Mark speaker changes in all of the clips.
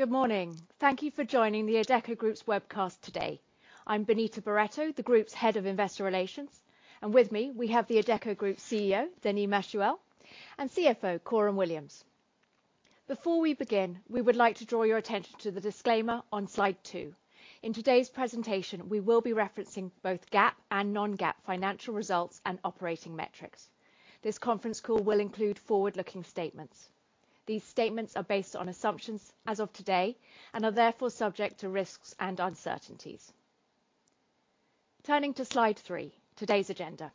Speaker 1: Good morning. Thank you for joining the Adecco Group's webcast today. I'm Benita Barretto, the group's head of investor relations, and with me we have the Adecco Group CEO, Denis Machuel, and CFO, Coram Williams. Before we begin, we would like to draw your attention to the disclaimer on slide two. In today's presentation, we will be referencing both GAAP and non-GAAP financial results and operating metrics. This conference call will include forward-looking statements. These statements are based on assumptions as of today and are therefore subject to risks and uncertainties. Turning to slide three, today's agenda.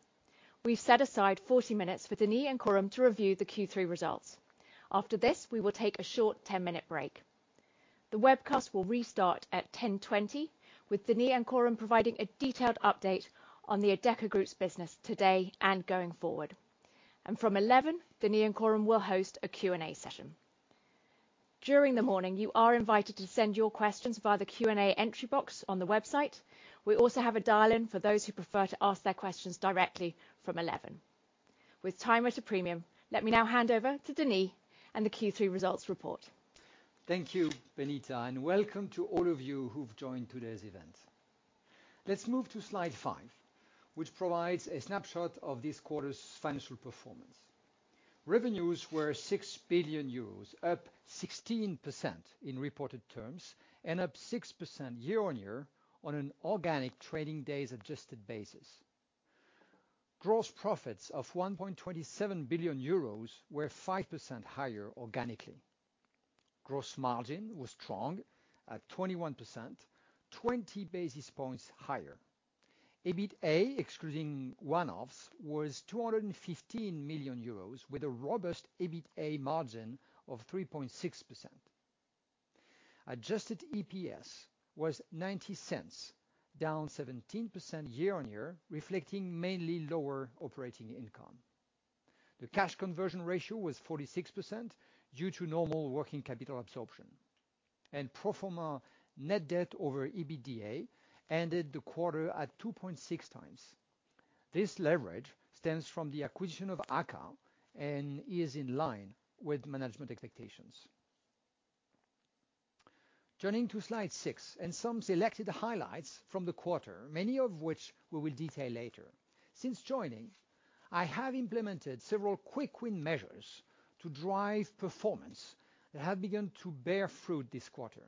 Speaker 1: We've set aside 40 minutes for Denis and Coram to review the Q3 results. After this, we will take a short 10-minute break. The webcast will restart at 10:20 A.M. with Denis and Coram providing a detailed update on the Adecco Group's business today and going forward. From 11:00 A.M., Denis and Coram will host a Q&A session. During the morning, you are invited to send your questions via the Q&A entry box on the website. We also have a dial-in for those who prefer to ask their questions directly from 11:00 A.M. With time at a premium, let me now hand over to Denis and the Q3 results report.
Speaker 2: Thank you, Benita, and welcome to all of you who've joined today's event. Let's move to slide five, which provides a snapshot of this quarter's financial performance. Revenues were 6 billion euros, up 16% in reported terms and up 6% year-on-year on an organic trading days adjusted basis. Gross profits of 1.27 billion euros were 5% higher organically. Gross margin was strong at 21%, 20 basis points higher. EBITA, excluding one-offs, was 215 million euros with a robust EBITA margin of 3.6%. Adjusted EPS was 0.90, down 17% year-on-year, reflecting mainly lower operating income. The cash conversion ratio was 46% due to normal working capital absorption. Pro forma net debt over EBITDA ended the quarter at 2.6x. This leverage stems from the acquisition of AKKA and is in line with management expectations. Turning to slide six and some selected highlights from the quarter, many of which we will detail later. Since joining, I have implemented several quick win measures to drive performance that have begun to bear fruit this quarter.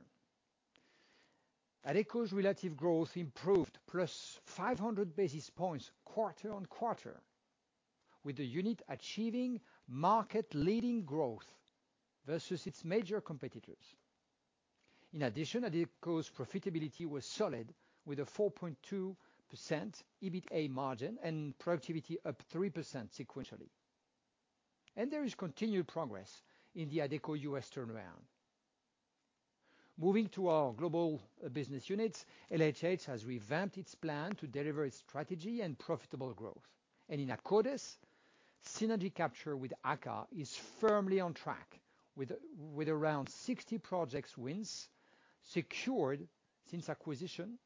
Speaker 2: Adecco's relative growth improved +500 basis points quarter-on-quarter, with the unit achieving market-leading growth versus its major competitors. In addition, Adecco's profitability was solid with a 4.2% EBITA margin and productivity up 3% sequentially. There is continued progress in the Adecco U.S. turnaround. Moving to our global business units, LHH has revamped its plan to deliver its strategy and profitable growth. In Akkodis, synergy capture with AKKA is firmly on track with around 60 project wins secured since acquisition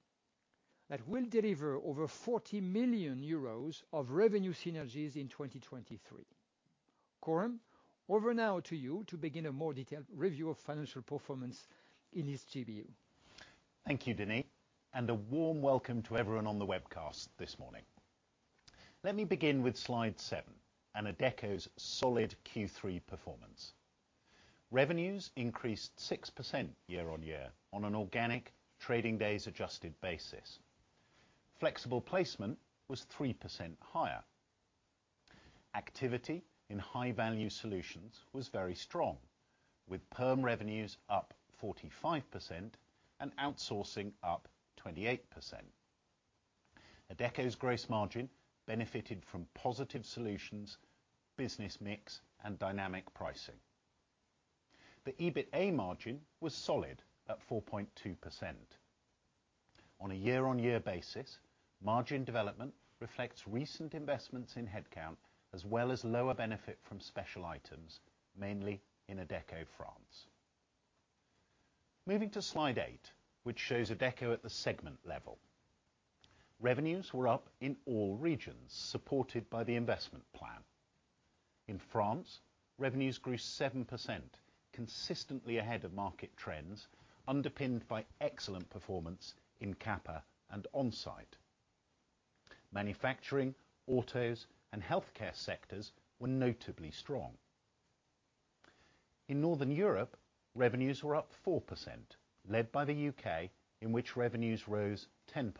Speaker 2: that will deliver over 40 million euros of revenue synergies in 2023. Coram, over now to you to begin a more detailed review of financial performance in each GBU.
Speaker 3: Thank you, Denis, and a warm welcome to everyone on the webcast this morning. Let me begin with slide seven and Adecco's solid Q3 performance. Revenues increased 6% year-on-year on an organic trading days adjusted basis. Flexible placement was 3% higher. Activity in high-value solutions was very strong, with perm revenues up 45% and outsourcing up 28%. Adecco's gross margin benefited from positive solutions, business mix, and dynamic pricing. The EBITA margin was solid at 4.2%. On a year-on-year basis, margin development reflects recent investments in headcount as well as lower benefit from special items, mainly in Adecco France. Moving to slide eight, which shows Adecco at the segment level. Revenues were up in all regions, supported by the investment plan. In France, revenues grew 7%, consistently ahead of market trends, underpinned by excellent performance in QAPA and onsite. Manufacturing, autos, and healthcare sectors were notably strong. In Northern Europe, revenues were up 4%, led by the U.K., in which revenues rose 10%.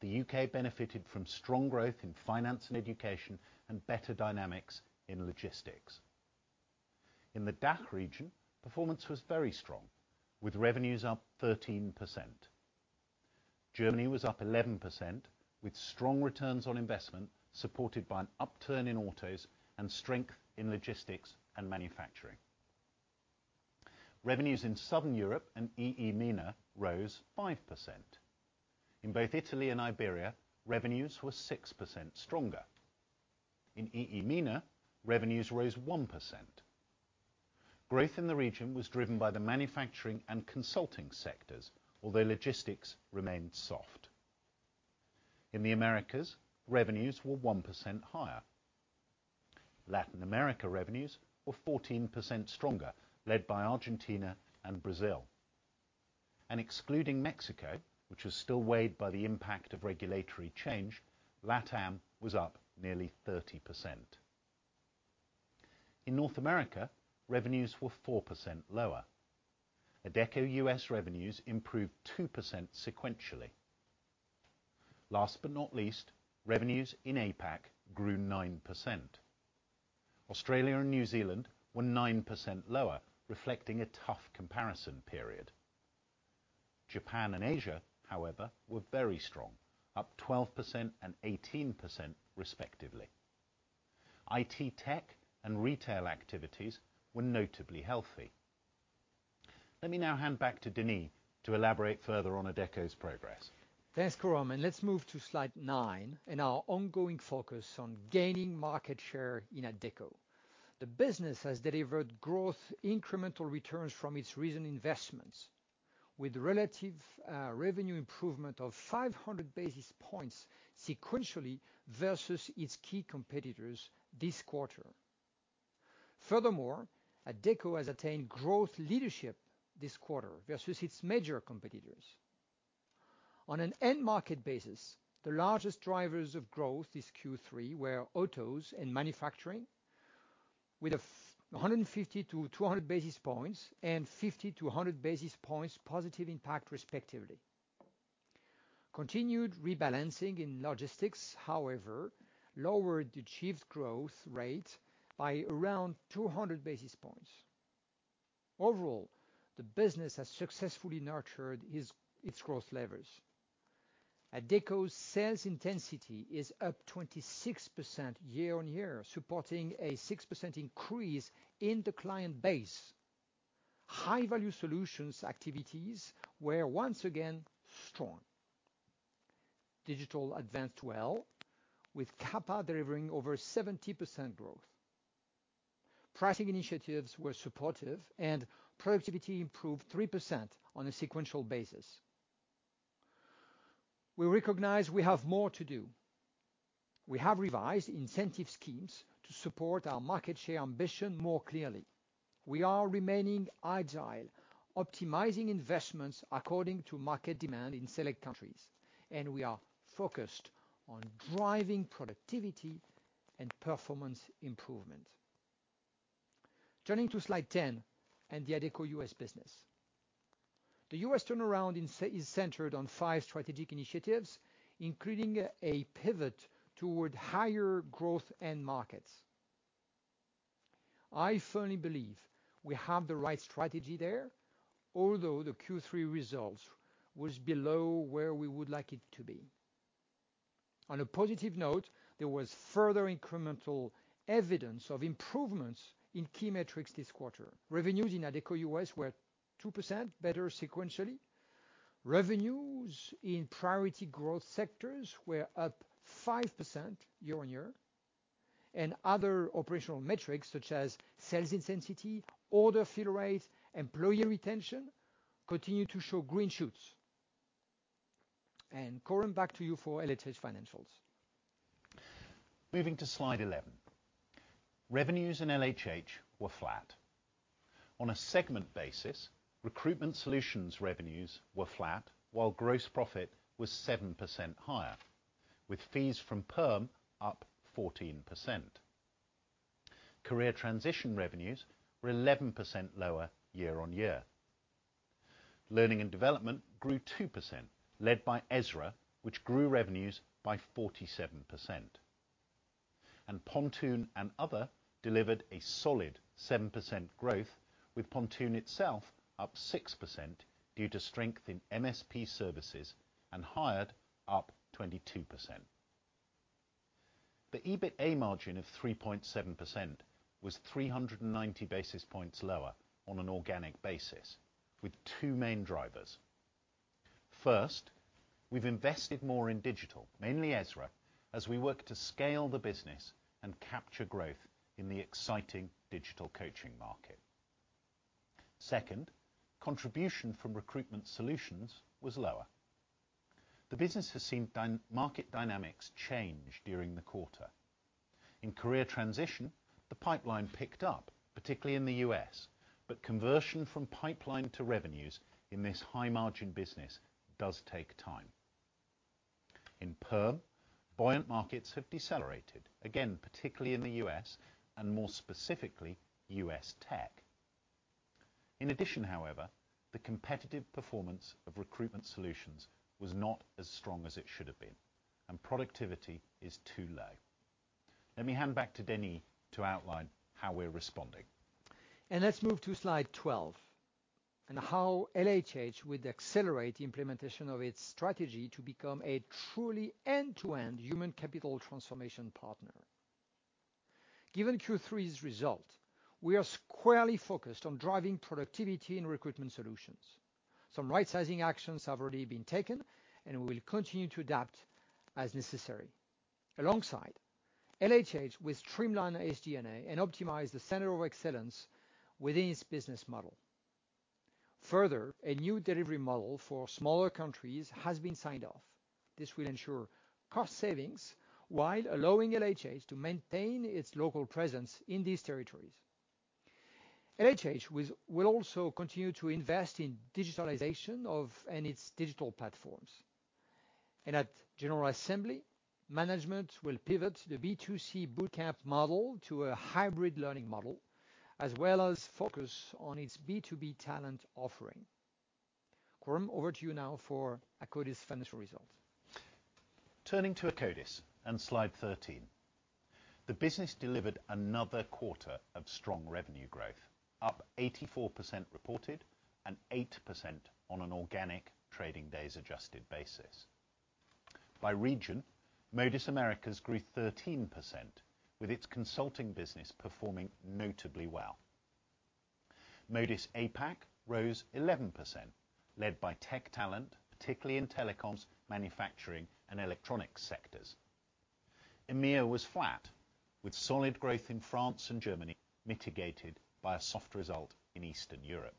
Speaker 3: The U.K. benefited from strong growth in finance and education and better dynamics in logistics. In the DACH region, performance was very strong, with revenues up 13%. Germany was up 11%, with strong returns on investment supported by an upturn in autos and strength in logistics and manufacturing. Revenues in Southern Europe and EE MENA rose 5%. In both Italy and Iberia, revenues were 6% stronger. In EE MENA, revenues rose 1%. Growth in the region was driven by the manufacturing and consulting sectors, although logistics remained soft. In the Americas, revenues were 1% higher. Latin America revenues were 14% stronger, led by Argentina and Brazil. Excluding Mexico, which was still weighed by the impact of regulatory change, LATAM was up nearly 30%. In North America, revenues were 4% lower. Adecco U.S revenues improved 2% sequentially. Last but not least, revenues in APAC grew 9%. Australia and New Zealand were 9% lower, reflecting a tough comparison period. Japan and Asia, however, were very strong, up 12% and 18% respectively. IT tech and retail activities were notably healthy. Let me now hand back to Denis to elaborate further on Adecco's progress.
Speaker 2: Thanks, Coram. Let's move to slide nine and our ongoing focus on gaining market share in Adecco. The business has delivered growth and incremental returns from its recent investments, with relative revenue improvement of 500 basis points sequentially versus its key competitors this quarter. Furthermore, Adecco has attained growth leadership this quarter versus its major competitors. On an end market basis, the largest drivers of growth this Q3 were autos and manufacturing, with a 150 to 200 basis points and 50 to a 100 basis points positive impact, respectively. Continued rebalancing in logistics, however, lowered the achieved growth rate by around 200 basis points. Overall, the business has successfully nurtured its growth levers. Adecco's sales intensity is up 26% year-on-year, supporting a 6% increase in the client base. High-value solutions activities were once again strong. Digital advanced well, with QAPA delivering over 70% growth. Pricing initiatives were supportive and productivity improved 3% on a sequential basis. We recognize we have more to do. We have revised incentive schemes to support our market share ambition more clearly. We are remaining agile, optimizing investments according to market demand in select countries, and we are focused on driving productivity and performance improvement. Turning to slide 10 and the Adecco U.S. business. The U.S. turnaround is centered on five strategic initiatives, including a pivot toward higher growth end markets. I firmly believe we have the right strategy there, although the Q3 results was below where we would like it to be. On a positive note, there was further incremental evidence of improvements in key metrics this quarter. Revenues in Adecco U.S. were 2% better sequentially. Revenues in priority growth sectors were up 5% year-on-year. Other operational metrics such as sales intensity, order fill rate, employee retention continue to show green shoots. Coram, back to you for LHH financials.
Speaker 3: Moving to slide 11. Revenues in LHH were flat. On a segment basis, recruitment solutions revenues were flat, while gross profit was 7% higher, with fees from perm up 14%. Career transition revenues were 11% lower year-on-year. Learning and development grew 2%, led by EZRA, which grew revenues by 47%. Pontoon and other delivered a solid 7% growth, with Pontoon itself up 6% due to strength in MSP services and Hired up 22%. The EBITA margin of 3.7% was 390 basis points lower on an organic basis, with two main drivers. First, we've invested more in digital, mainly EZRA, as we work to scale the business and capture growth in the exciting digital coaching market. Second, contribution from recruitment solutions was lower. The business has seen market dynamics change during the quarter. In career transition, the pipeline picked up, particularly in the U.S., but conversion from pipeline to revenues in this high margin business does take time. In perm, buoyant markets have decelerated, again, particularly in the U.S. and more specifically, U.S. tech. In addition, however, the competitive performance of recruitment solutions was not as strong as it should have been, and productivity is too low. Let me hand back to Denis to outline how we're responding.
Speaker 2: Let's move to slide 12, and how LHH will accelerate the implementation of its strategy to become a truly end-to-end human capital transformation partner. Given Q3's result, we are squarely focused on driving productivity in recruitment solutions. Some right-sizing actions have already been taken and we will continue to adapt as necessary. Alongside, LHH will streamline its DNA and optimize the center of excellence within its business model. Further, a new delivery model for smaller countries has been signed off. This will ensure cost savings while allowing LHH to maintain its local presence in these territories. LHH will also continue to invest in digitalization and its digital platforms. At General Assembly, management will pivot the B2C bootcamp model to a hybrid learning model, as well as focus on its B2B talent offering. Coram, over to you now for Akkodis financial results.
Speaker 3: Turning to Akkodis on slide 13. The business delivered another quarter of strong revenue growth, up 84% reported and 8% on an organic trading days adjusted basis. By region, Modis Americas grew 13% with its consulting business performing notably well. Modis APAC rose 11% led by tech talent, particularly in telecoms, manufacturing, and electronics sectors. EMEA was flat with solid growth in France and Germany, mitigated by a soft result in Eastern Europe.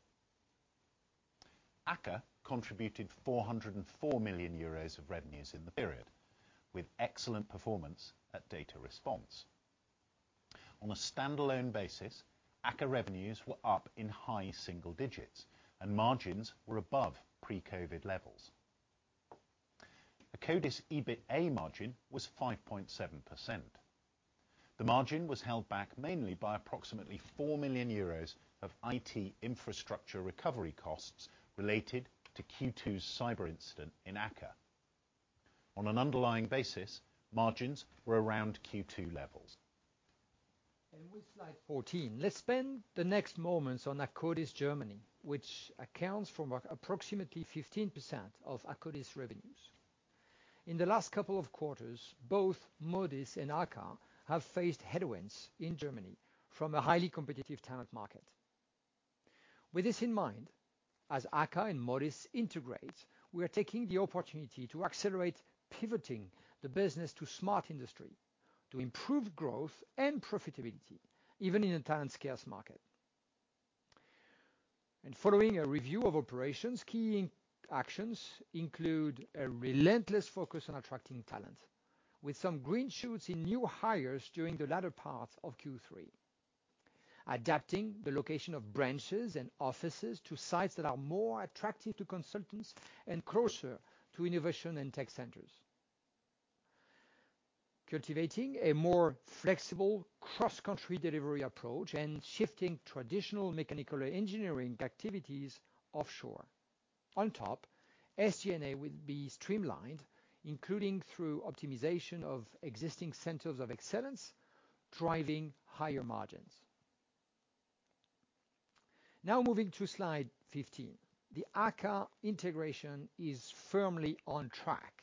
Speaker 3: AKKA contributed 404 million euros of revenues in the period, with excellent performance at Data Respons. On a standalone basis, AKKA revenues were up in high single digits, and margins were above pre-COVID levels. Akkodis EBITA margin was 5.7%. The margin was held back mainly by approximately 4 million euros of IT infrastructure recovery costs related to Q2's cyber incident in AKKA. On an underlying basis, margins were around Q2 levels.
Speaker 2: With slide 14, let's spend the next moments on Akkodis Germany, which accounts for approximately 15% of Akkodis revenues. In the last couple of quarters, both Modis and AKKA have faced headwinds in Germany from a highly competitive talent market. With this in mind, as AKKA and Modis integrate, we are taking the opportunity to accelerate pivoting the business to Smart Industry to improve growth and profitability, even in a talent scarce market. Following a review of operations, key actions include a relentless focus on attracting talent with some green shoots in new hires during the latter part of Q3. Adapting the location of branches and offices to sites that are more attractive to consultants and closer to innovation and tech centers. Cultivating a more flexible cross-country delivery approach and shifting traditional mechanical engineering activities offshore. On top, SG&A will be streamlined, including through optimization of existing centers of excellence, driving higher margins. Now moving to slide 15. The AKKA integration is firmly on track.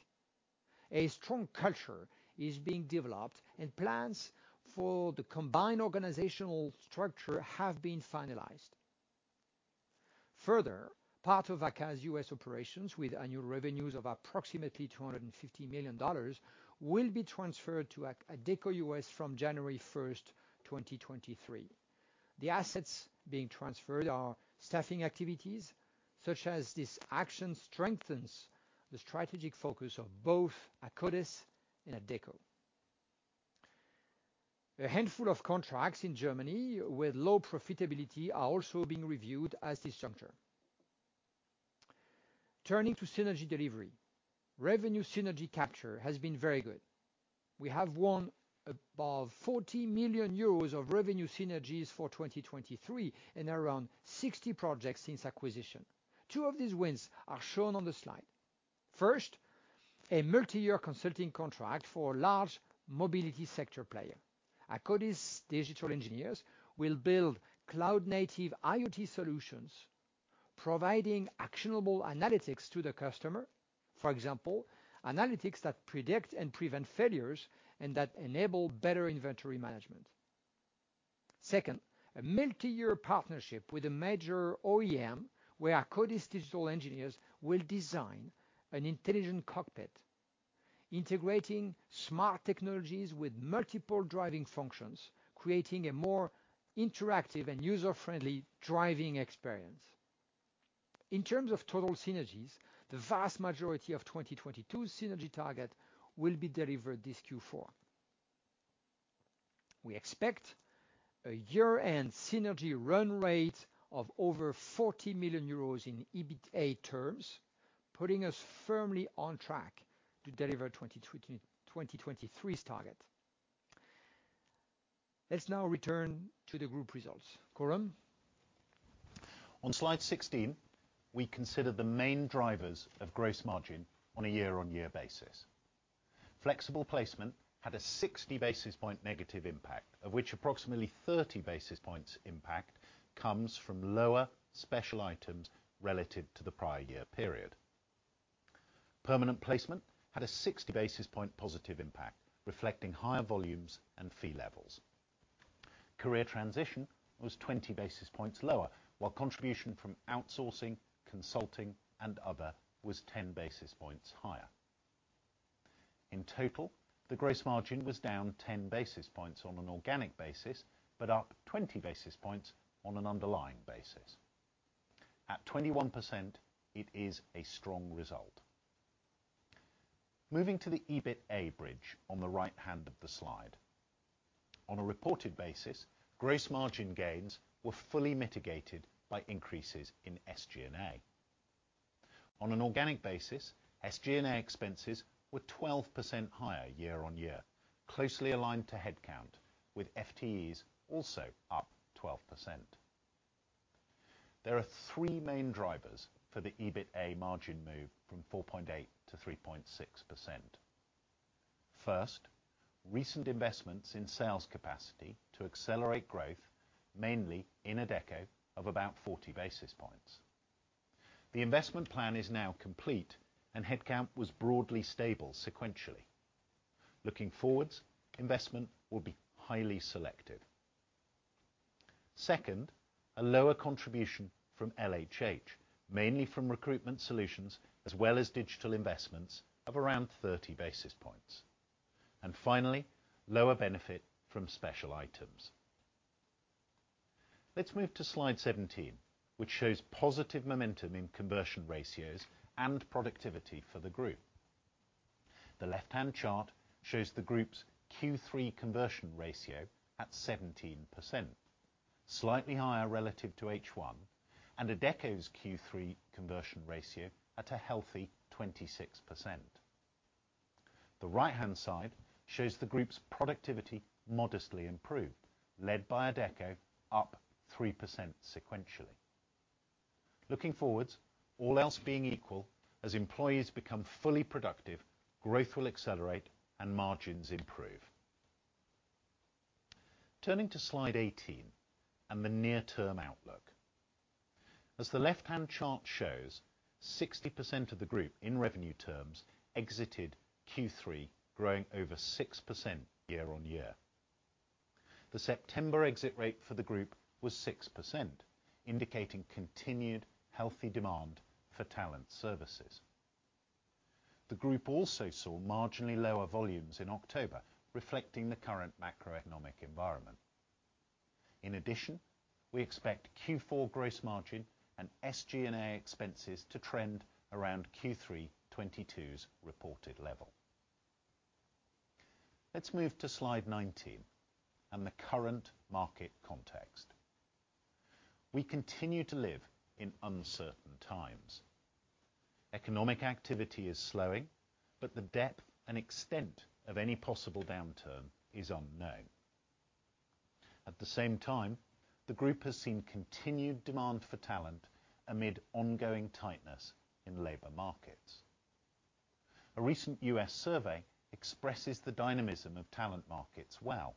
Speaker 2: A strong culture is being developed and plans for the combined organizational structure have been finalized. Further, part of AKKA's U.S. operations, with annual revenues of approximately $250 million, will be transferred to Adecco U.S. from January 1st, 2023. The assets being transferred are staffing activities. Such action strengthens the strategic focus of both Akkodis and Adecco. A handful of contracts in Germany with low profitability are also being reviewed at this juncture. Turning to synergy delivery. Revenue synergy capture has been very good. We have won above 40 million euros of revenue synergies for 2023 and around 60 projects since acquisition. Two of these wins are shown on the slide. First, a multi-year consulting contract for a large mobility sector player. Akkodis digital engineers will build cloud native IoT solutions, providing actionable analytics to the customer. For example, analytics that predict and prevent failures and that enable better inventory management. Second, a multi-year partnership with a major OEM, where Akkodis digital engineers will design an intelligent cockpit, integrating smart technologies with multiple driving functions, creating a more interactive and user-friendly driving experience. In terms of total synergies, the vast majority of 2022 synergy target will be delivered this Q4. We expect a year-end synergy run rate of over 40 million euros in EBITA terms, putting us firmly on track to deliver 2023's target. Let's now return to the group results. Coram.
Speaker 3: On slide 16, we consider the main drivers of gross margin on a year-on-year basis. Flexible placement had a 60 basis points negative impact, of which approximately 30 basis points impact comes from lower special items relative to the prior year period. Permanent placement had a 60 basis points positive impact, reflecting higher volumes and fee levels. Career transition was 20 basis points lower, while contribution from outsourcing, consulting, and other was 10 basis points higher. In total, the gross margin was down 10 basis points on an organic basis, but up 20 basis points on an underlying basis. At 21%, it is a strong result. Moving to the EBITA bridge on the right-hand of the slide. On a reported basis, gross margin gains were fully mitigated by increases in SG&A. On an organic basis, SG&A expenses were 12% higher year-over-year, closely aligned to headcount, with FTEs also up 12%. There are three main drivers for the EBITA margin move from 4.8% to 3.6%. First, recent investments in sales capacity to accelerate growth, mainly in Adecco of about 40 basis points. The investment plan is now complete and headcount was broadly stable sequentially. Looking forward, investment will be highly selective. Second, a lower contribution from LHH, mainly from recruitment solutions as well as digital investments of around 30 basis points. Finally, lower benefit from special items. Let's move to slide 17, which shows positive momentum in conversion ratios and productivity for the group. The left-hand chart shows the group's Q3 conversion ratio at 17%, slightly higher relative to H1, and Adecco's Q3 conversion ratio at a healthy 26%. The right-hand side shows the group's productivity modestly improved, led by Adecco, up 3% sequentially. Looking forwards, all else being equal, as employees become fully productive, growth will accelerate and margins improve. Turning to slide 18 and the near-term outlook. As the left-hand chart shows, 60% of the group in revenue terms exited Q3, growing over 6% year-over-year. The September exit rate for the group was 6%, indicating continued healthy demand for talent services. The group also saw marginally lower volumes in October, reflecting the current macroeconomic environment. In addition, we expect Q4 gross margin and SG&A expenses to trend around Q3 2022's reported level. Let's move to slide 19 and the current market context. We continue to live in uncertain times. Economic activity is slowing, but the depth and extent of any possible downturn is unknown. At the same time, the group has seen continued demand for talent amid ongoing tightness in labor markets. A recent U.S. survey expresses the dynamism of talent markets well.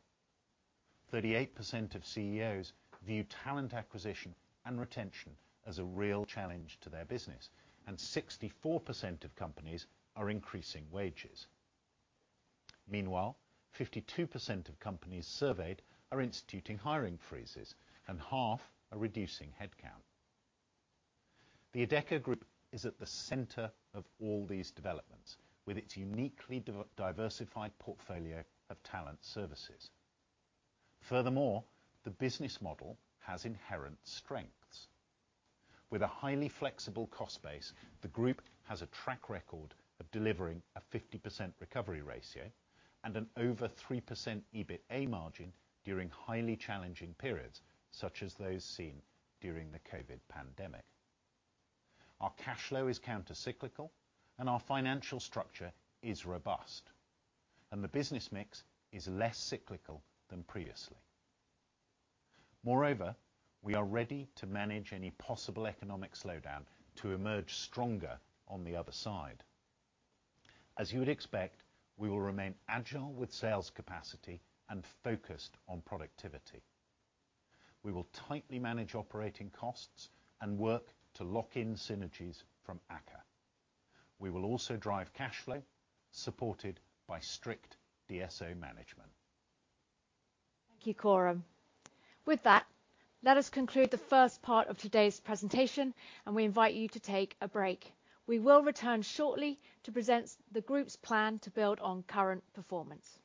Speaker 3: 38% of CEOs view talent acquisition and retention as a real challenge to their business, and 64% of companies are increasing wages. Meanwhile, 52% of companies surveyed are instituting hiring freezes and half are reducing headcount. The Adecco Group is at the center of all these developments with its uniquely diversified portfolio of talent services. Furthermore, the business model has inherent strengths. With a highly flexible cost base, the group has a track record of delivering a 50% recovery ratio and an over 3% EBITA margin during highly challenging periods, such as those seen during the COVID pandemic. Our cash flow is counter-cyclical and our financial structure is robust, and the business mix is less cyclical than previously. Moreover, we are ready to manage any possible economic slowdown to emerge stronger on the other side. As you would expect, we will remain agile with sales capacity and focused on productivity. We will tightly manage operating costs and work to lock in synergies from AKKA. We will also drive cash flow supported by strict DSO management.
Speaker 1: Thank you, Coram. With that, let us conclude the first part of today's presentation, and we invite you to take a break. We will return shortly to present the group's plan to build on current performance.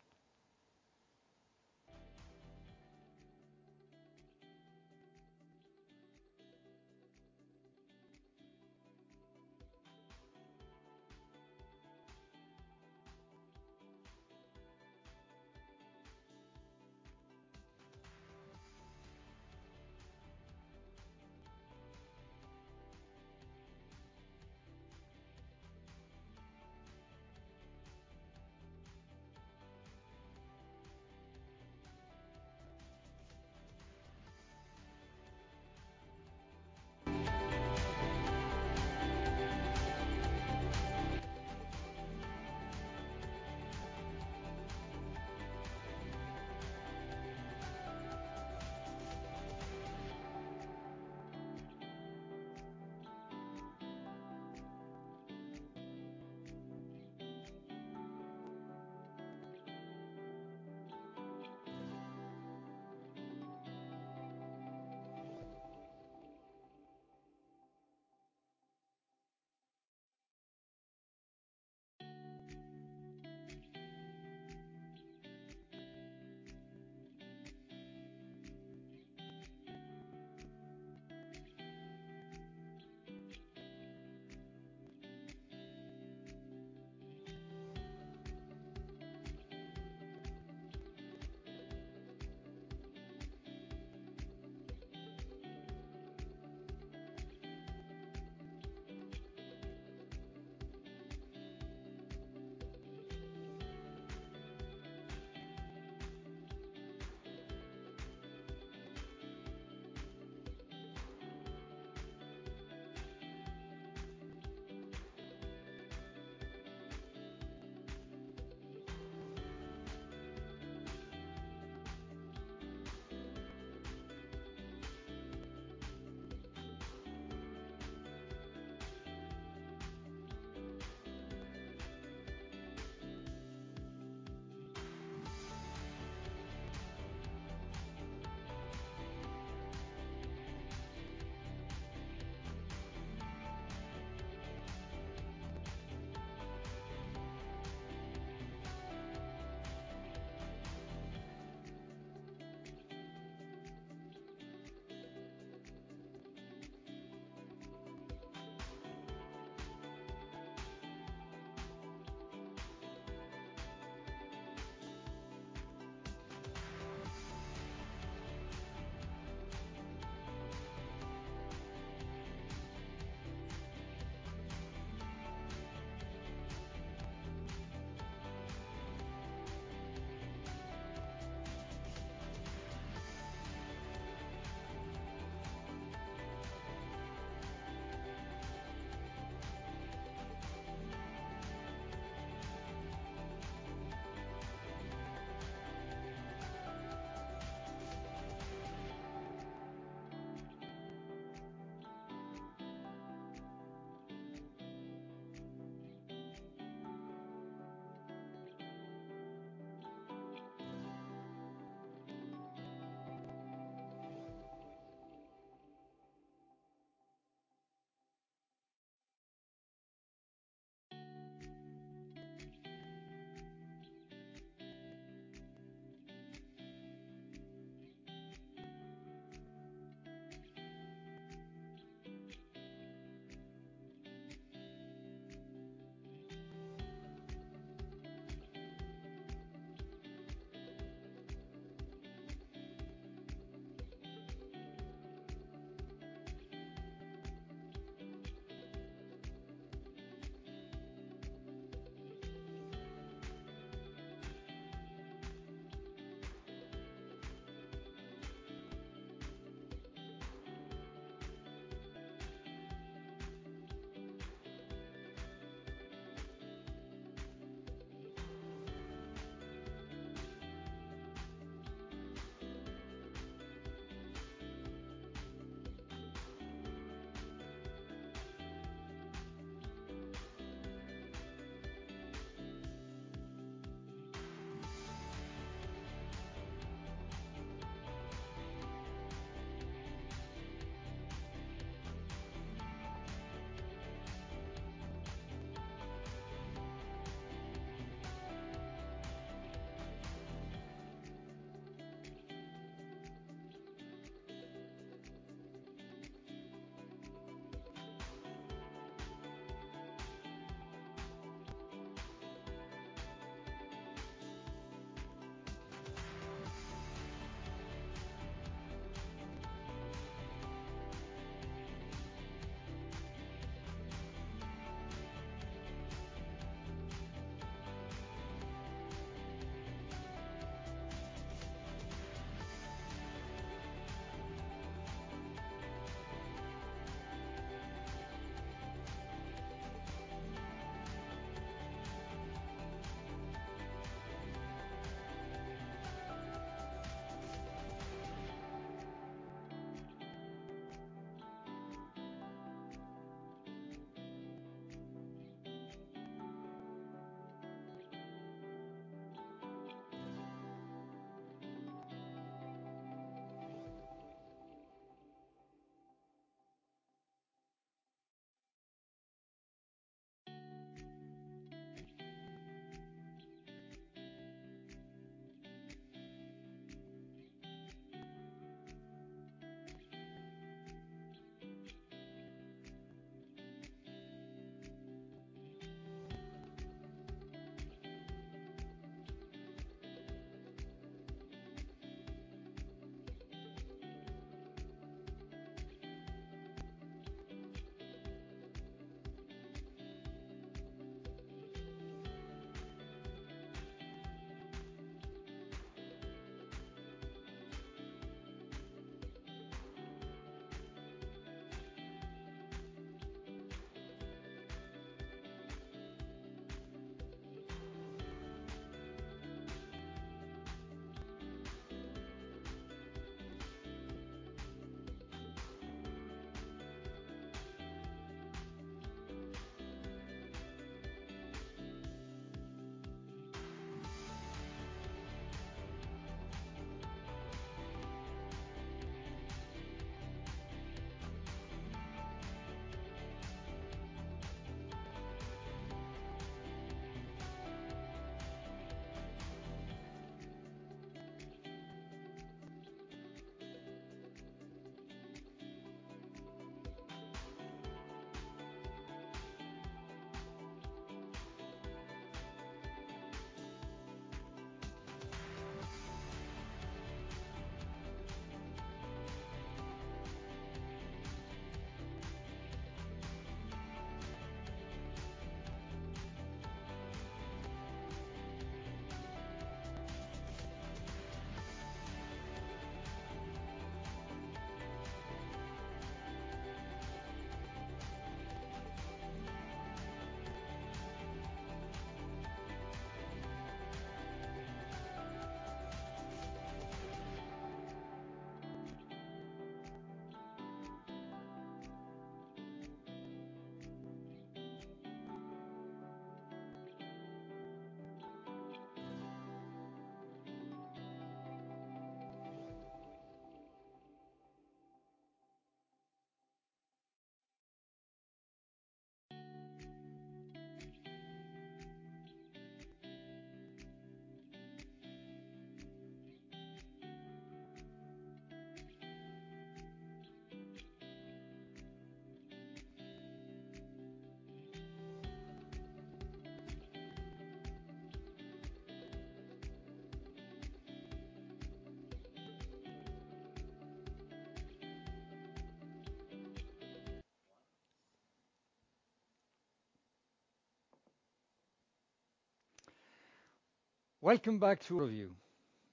Speaker 2: Welcome back to review.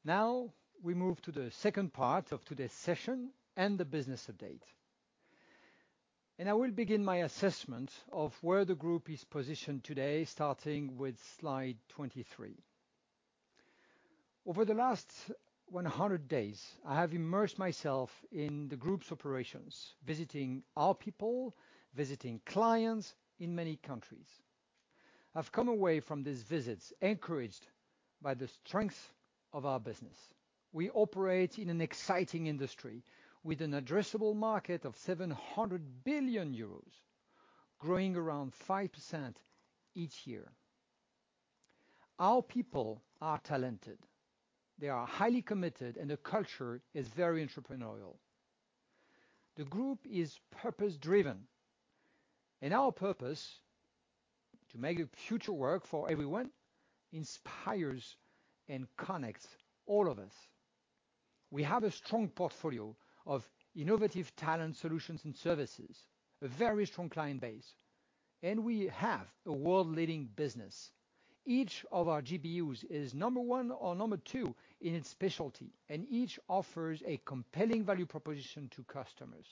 Speaker 2: Now, we move to the second part of today's session and the business update. I will begin my assessment of where the group is positioned today, starting with slide 23. Over the last 100 days, I have immersed myself in the group's operations, visiting our people, visiting clients in many countries. I've come away from these visits encouraged by the strength of our business. We operate in an exciting industry with an addressable market of 700 billion euros, growing around 5% each year. Our people are talented. They are highly committed, and the culture is very entrepreneurial. The group is purpose-driven, and our purpose to make future work for everyone inspires and connects all of us. We have a strong portfolio of innovative talent solutions and services, a very strong client base, and we have a world-leading business. Each of our GBUs is number one or number two in its specialty, and each offers a compelling value proposition to customers.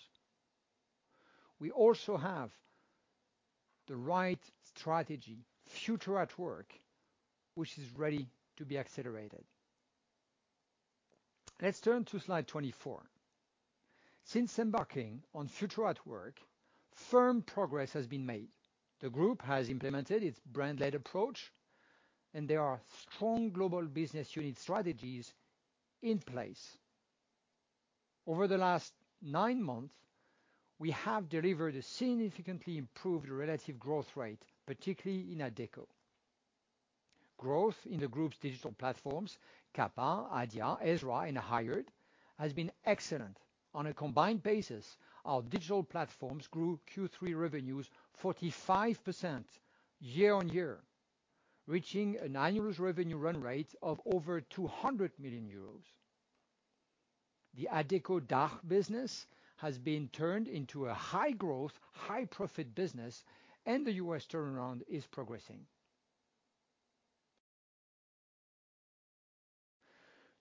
Speaker 2: We also have the right strategy, Future at Work, which is ready to be accelerated. Let's turn to slide 24. Since embarking on Future at Work, firm progress has been made. The group has implemented its brand-led approach, and there are strong global business unit strategies in place. Over the last nine months, we have delivered a significantly improved relative growth rate, particularly in Adecco. Growth in the group's digital platforms, QAPA, Adia, EZRA, and Hired has been excellent. On a combined basis, our digital platforms grew Q3 revenues 45% year-on-year, reaching an annual revenue run rate of over 200 million euros. The Adecco DACH business has been turned into a high-growth, high-profit business, and the U.S. turnaround is progressing.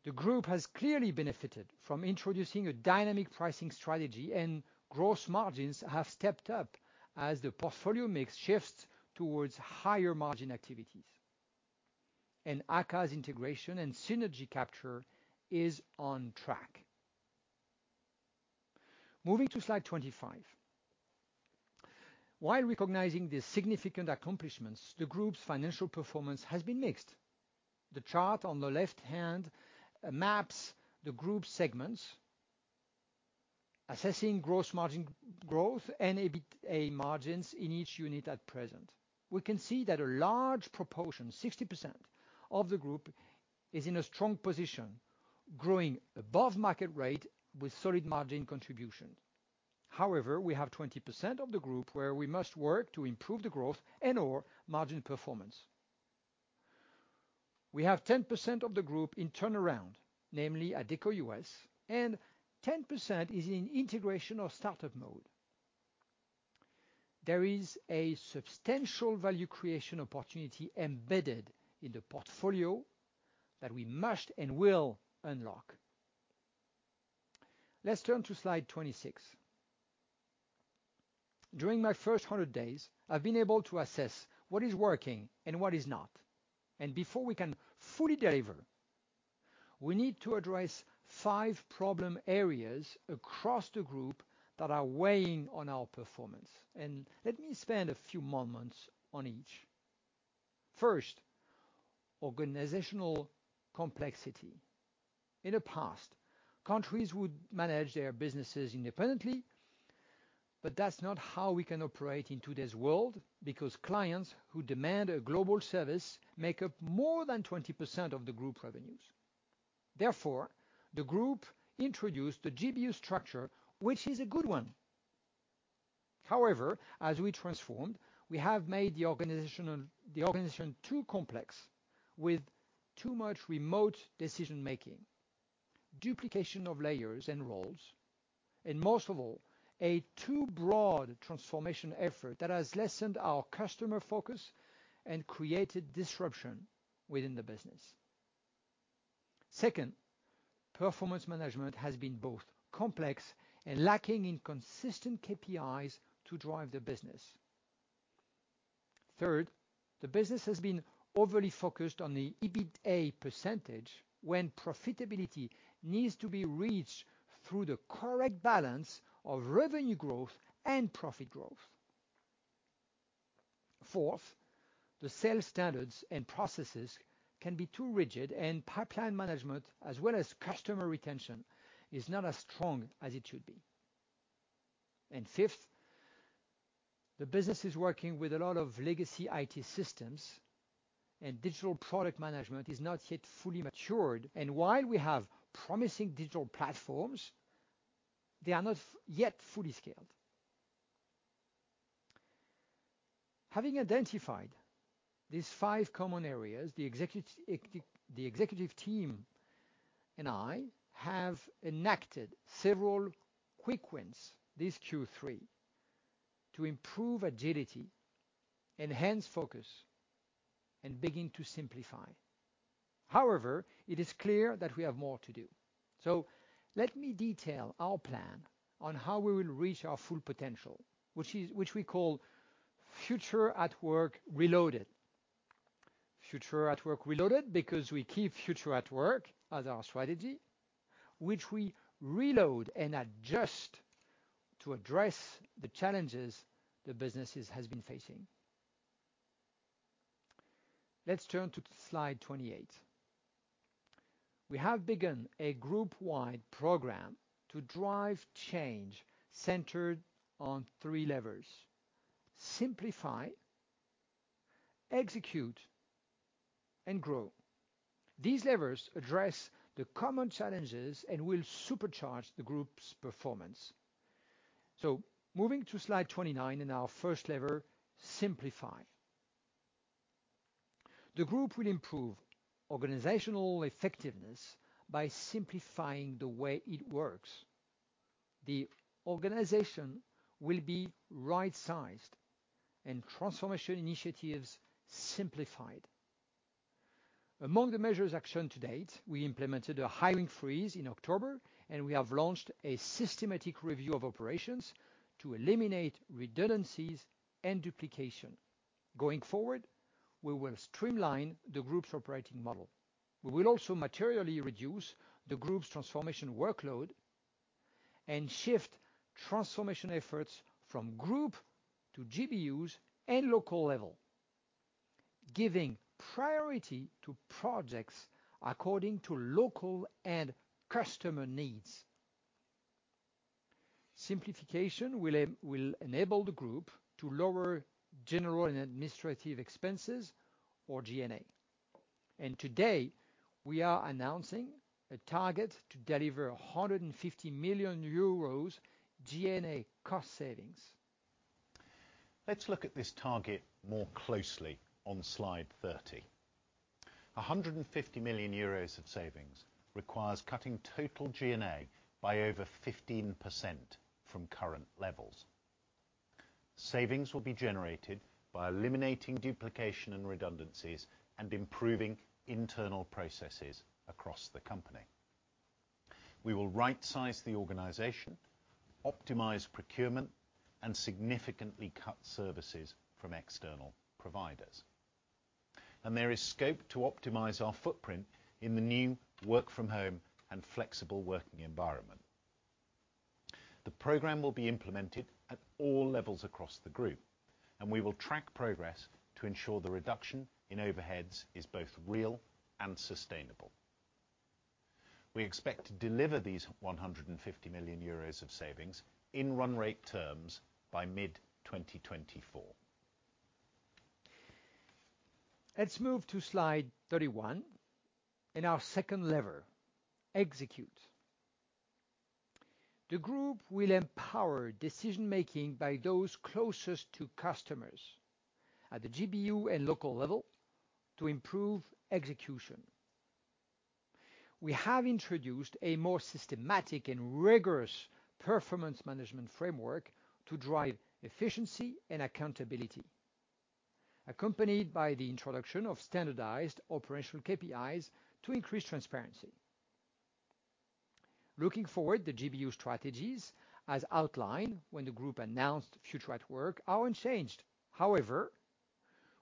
Speaker 2: The group has clearly benefited from introducing a dynamic pricing strategy, and gross margins have stepped up as the portfolio mix shifts towards higher margin activities. AKKA's integration and synergy capture is on track. Moving to slide 25. While recognizing the significant accomplishments, the group's financial performance has been mixed. The chart on the left hand maps the group segments, assessing gross margin growth and EBITA margins in each unit at present. We can see that a large proportion, 60% of the group is in a strong position, growing above market rate with solid margin contribution. However, we have 20% of the group where we must work to improve the growth and/or margin performance. We have 10% of the group in turnaround, namely Adecco U.S., and 10% is in integration or startup mode. There is a substantial value creation opportunity embedded in the portfolio that we must and will unlock. Let's turn to slide 26. During my first 100 days, I've been able to assess what is working and what is not. Before we can fully deliver, we need to address five problem areas across the group that are weighing on our performance. Let me spend a few moments on each. First, organizational complexity. In the past, countries would manage their businesses independently, but that's not how we can operate in today's world because clients who demand a global service make up more than 20% of the group revenues. Therefore, the group introduced the GBU structure, which is a good one. However, as we transformed, we have made the organization too complex with too much remote decision-making, duplication of layers and roles, and most of all, a too broad transformation effort that has lessened our customer focus and created disruption within the business. Second, performance management has been both complex and lacking in consistent KPIs to drive the business. Third, the business has been overly focused on the EBITA percentage when profitability needs to be reached through the correct balance of revenue growth and profit growth. Fourth, the sales standards and processes can be too rigid, and pipeline management, as well as customer retention, is not as strong as it should be. Fifth, the business is working with a lot of legacy IT systems and digital product management is not yet fully matured. While we have promising digital platforms, they are not yet fully scaled. Having identified these five common areas, the executive team and I have enacted several quick wins this Q3 to improve agility, enhance focus, and begin to simplify. However, it is clear that we have more to do. Let me detail our plan on how we will reach our full potential, which we call Future at Work Reloaded. Future at Work Reloaded because we keep Future at Work as our strategy, which we reload and adjust to address the challenges the businesses has been facing. Let's turn to slide 28. We have begun a group-wide program to drive change centered on three levers, simplify, execute, and grow. These levers address the common challenges and will supercharge the group's performance. Moving to slide 29 and our first lever, simplify. The group will improve organizational effectiveness by simplifying the way it works. The organization will be right-sized and transformation initiatives simplified. Among the measures actioned to date, we implemented a hiring freeze in October, and we have launched a systematic review of operations to eliminate redundancies and duplication. Going forward, we will streamline the group's operating model. We will also materially reduce the group's transformation workload and shift transformation efforts from group to GBUs and local level, giving priority to projects according to local and customer needs. Simplification will enable the group to lower general and administrative expenses or G&A. Today, we are announcing a target to deliver 150 million euros G&A cost savings.
Speaker 3: Let's look at this target more closely on slide 30. 150 million euros of savings requires cutting total G&A by over 15% from current levels. Savings will be generated by eliminating duplication and redundancies and improving internal processes across the company. We will right-size the organization, optimize procurement, and significantly cut services from external providers. There is scope to optimize our footprint in the new work from home and flexible working environment. The program will be implemented at all levels across the group, and we will track progress to ensure the reduction in overheads is both real and sustainable. We expect to deliver these 150 million euros of savings in run rate terms by mid-2024.
Speaker 2: Let's move to slide 31 and our second lever, execute. The group will empower decision-making by those closest to customers at the GBU and local level to improve execution. We have introduced a more systematic and rigorous performance management framework to drive efficiency and accountability, accompanied by the introduction of standardized operational KPIs to increase transparency. Looking forward, the GBU strategies as outlined when the group announced Future at Work are unchanged. However,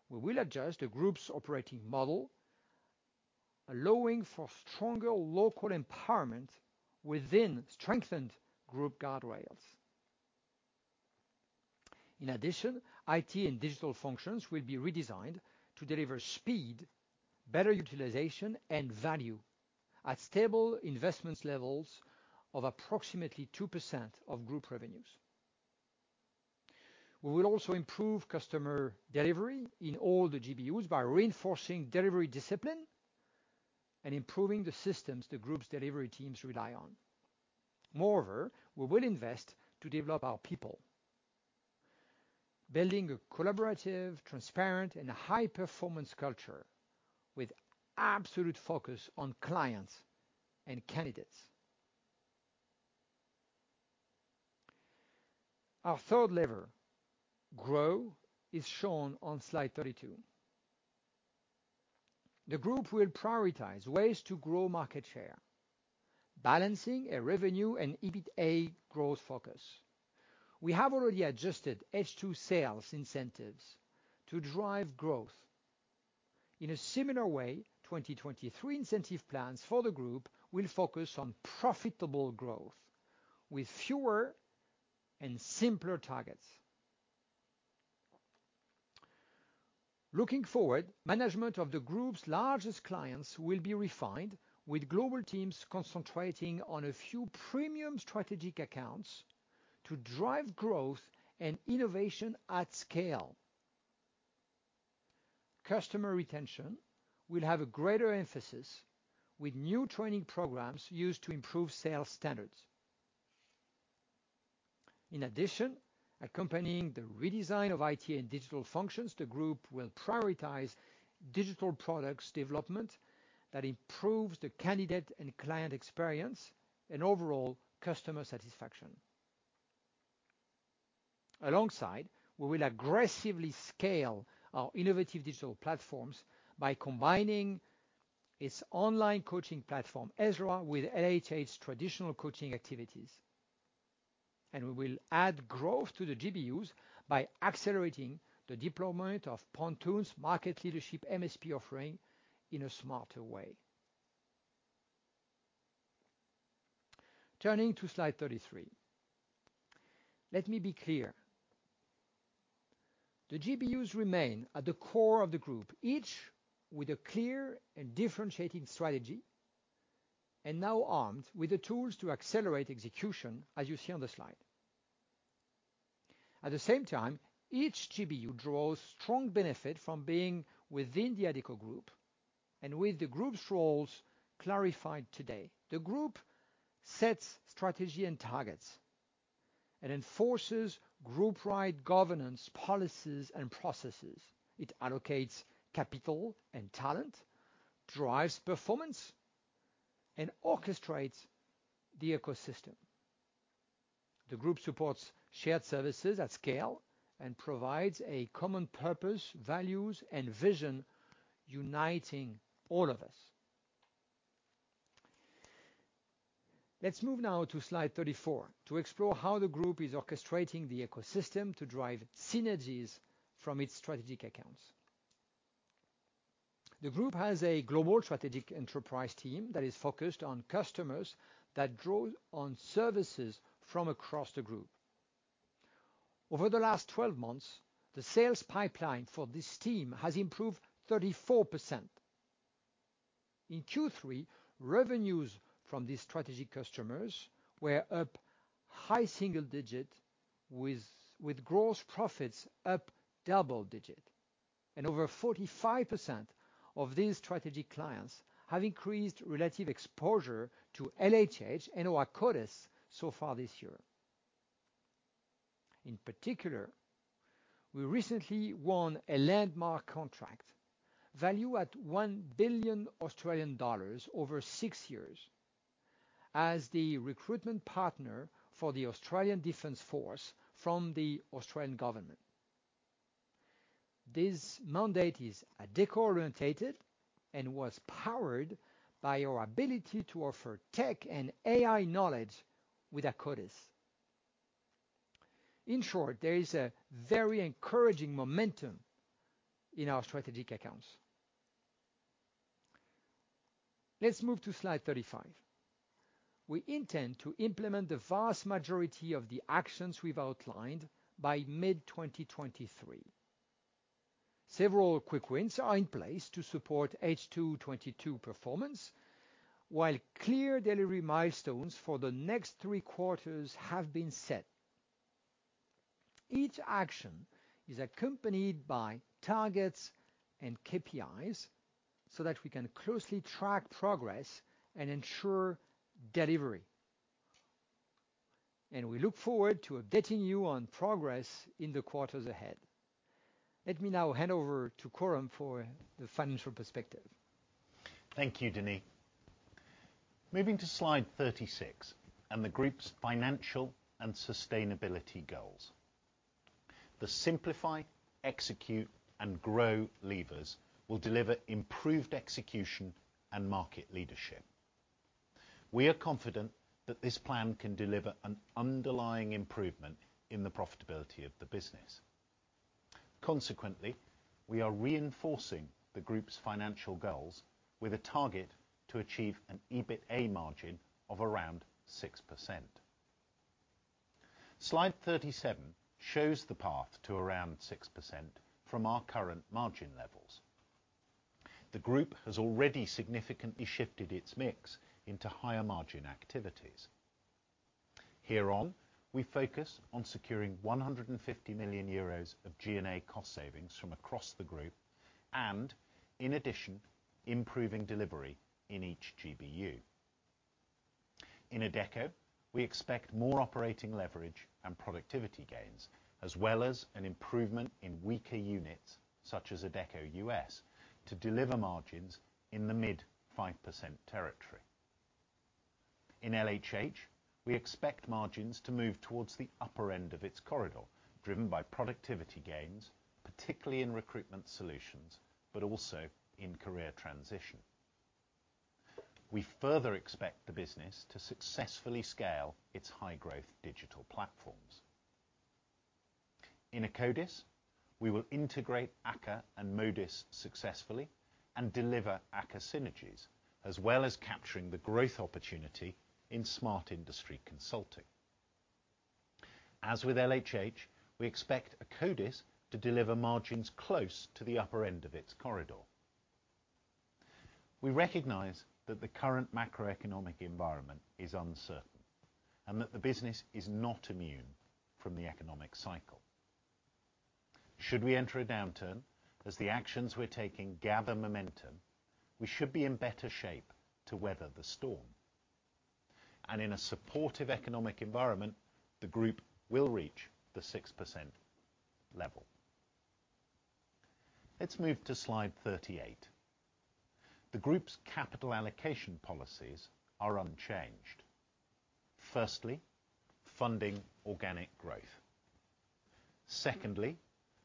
Speaker 2: we will adjust the group's operating model, allowing for stronger local empowerment within strengthened group guardrails. In addition, IT and digital functions will be redesigned to deliver speed, better utilization, and value at stable investment levels of approximately 2% of group revenues. We will also improve customer delivery in all the GBUs by reinforcing delivery discipline and improving the systems the group's delivery teams rely on. Moreover, we will invest to develop our people, building a collaborative, transparent, and high-performance culture with absolute focus on clients and candidates. Our third lever, grow, is shown on slide 32. The group will prioritize ways to grow market share, balancing a revenue and EBITA growth focus. We have already adjusted H2 sales incentives to drive growth. In a similar way, 2023 incentive plans for the group will focus on profitable growth with fewer and simpler targets. Looking forward, management of the group's largest clients will be refined with global teams concentrating on a few premium strategic accounts to drive growth and innovation at scale. Customer retention will have a greater emphasis with new training programs used to improve sales standards. In addition, accompanying the redesign of IT and digital functions, the group will prioritize digital products development that improves the candidate and client experience and overall customer satisfaction. Alongside, we will aggressively scale our innovative digital platforms by combining its online coaching platform, EZRA, with LHH's traditional coaching activities. We will add growth to the GBUs by accelerating the deployment of Pontoon's market leadership MSP offering in a smarter way. Turning to slide 33. Let me be clear. The GBUs remain at the core of the group, each with a clear and differentiating strategy and now armed with the tools to accelerate execution, as you see on the slide. At the same time, each GBU draws strong benefit from being within the Adecco Group and with the group's roles clarified today. The group sets strategy and targets and enforces group-wide governance, policies, and processes. It allocates capital and talent, drives performance, and orchestrates the ecosystem. The group supports shared services at scale and provides a common purpose, values, and vision uniting all of us. Let's move now to slide 34 to explore how the group is orchestrating the ecosystem to drive synergies from its strategic accounts. The group has a global strategic enterprise team that is focused on customers that draw on services from across the group. Over the last 12 months, the sales pipeline for this team has improved 34%. In Q3, revenues from these strategic customers were up high single digit with gross profits up double digit. Over 45% of these strategic clients have increased relative exposure to LHH and/or Akkodis so far this year. In particular, we recently won a landmark contract valued at 1 billion Australian dollars over six years as the recruitment partner for the Australian Defence Force from the Australian government. This mandate is Adecco-orientated and was powered by our ability to offer tech and AI knowledge with Akkodis. In short, there is a very encouraging momentum in our strategic accounts. Let's move to slide 35. We intend to implement the vast majority of the actions we've outlined by mid-2023. Several quick wins are in place to support H2 2022 performance, while clear delivery milestones for the next three quarters have been set. Each action is accompanied by targets and KPIs so that we can closely track progress and ensure delivery. We look forward to updating you on progress in the quarters ahead. Let me now hand over to Coram for the financial perspective.
Speaker 3: Thank you, Denis. Moving to slide 36 and the group's financial and sustainability goals. The simplify, execute, and grow levers will deliver improved execution and market leadership. We are confident that this plan can deliver an underlying improvement in the profitability of the business. Consequently, we are reinforcing the group's financial goals with a target to achieve an EBITA margin of around 6%. Slide 37 shows the path to around 6% from our current margin levels. The group has already significantly shifted its mix into higher margin activities. Here on, we focus on securing 150 million euros of G&A cost savings from across the group and, in addition, improving delivery in each GBU. In Adecco, we expect more operating leverage and productivity gains, as well as an improvement in weaker units such as Adecco U.S., to deliver margins in the mid-5% territory. In LHH, we expect margins to move towards the upper end of its corridor, driven by productivity gains, particularly in recruitment solutions, but also in career transition. We further expect the business to successfully scale its high growth digital platforms. In Akkodis, we will integrate AKKA and Modis successfully and deliver AKKA synergies, as well as capturing the growth opportunity in smart industry consulting. As with LHH, we expect Akkodis to deliver margins close to the upper end of its corridor. We recognize that the current macroeconomic environment is uncertain and that the business is not immune from the economic cycle. Should we enter a downturn as the actions we're taking gather momentum, we should be in better shape to weather the storm, and in a supportive economic environment, the group will reach the 6% level. Let's move to slide 38. The group's capital allocation policies are unchanged. Firstly, funding organic growth. Secondly,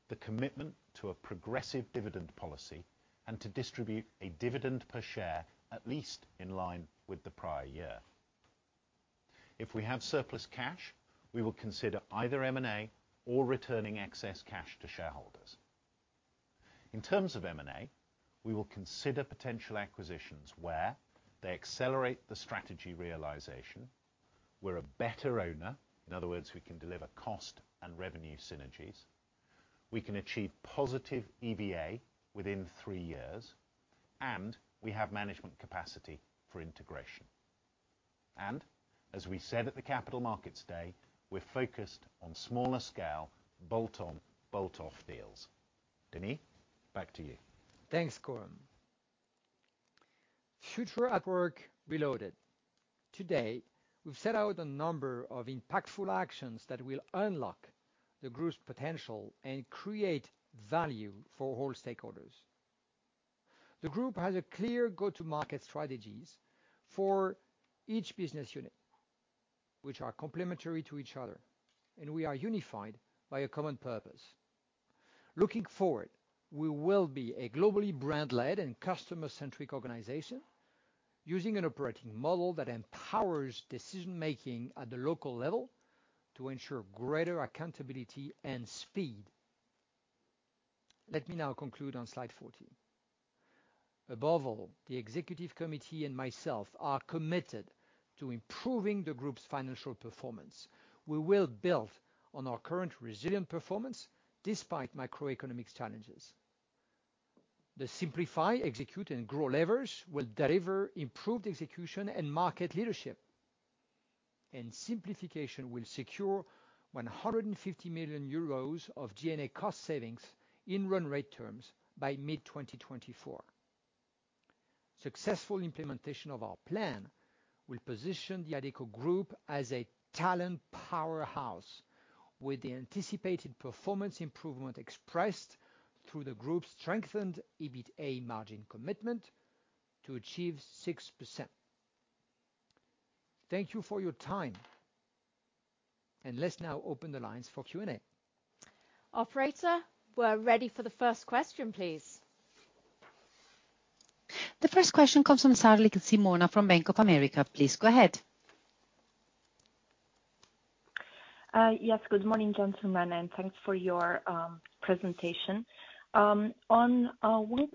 Speaker 3: the commitment to a progressive dividend policy and to distribute a dividend per share, at least in line with the prior year. If we have surplus cash, we will consider either M&A or returning excess cash to shareholders. In terms of M&A, we will consider potential acquisitions where they accelerate the strategy realization. We're a better owner. In other words, we can deliver cost and revenue synergies. We can achieve positive EVA within three years, and we have management capacity for integration. As we said at the Capital Markets Day, we're focused on smaller scale bolt-on, bolt-off deals. Denis, back to you.
Speaker 2: Thanks, Coram. Future at Work Reloaded. Today, we've set out a number of impactful actions that will unlock the group's potential and create value for all stakeholders. The group has a clear go-to-market strategies for each business unit, which are complementary to each other, and we are unified by a common purpose. Looking forward, we will be a globally brand-led and customer-centric organization using an operating model that empowers decision-making at the local level to ensure greater accountability and speed. Let me now conclude on slide 14. Above all, the executive committee and myself are committed to improving the group's financial performance. We will build on our current resilient performance despite macroeconomic challenges. The simplify, execute, and grow levers will deliver improved execution and market leadership. Simplification will secure 150 million euros of G&A cost savings in run rate terms by mid-2024. Successful implementation of our plan will position the Adecco Group as a talent powerhouse with the anticipated performance improvement expressed through the group's strengthened EBITA margin commitment to achieve 6%. Thank you for your time, and let's now open the lines for Q&A.
Speaker 1: Operator, we're ready for the first question, please.
Speaker 4: The first question comes from Sarli Simona from Bank of America. Please go ahead.
Speaker 5: Yes. Good morning, gentlemen, and thanks for your presentation. One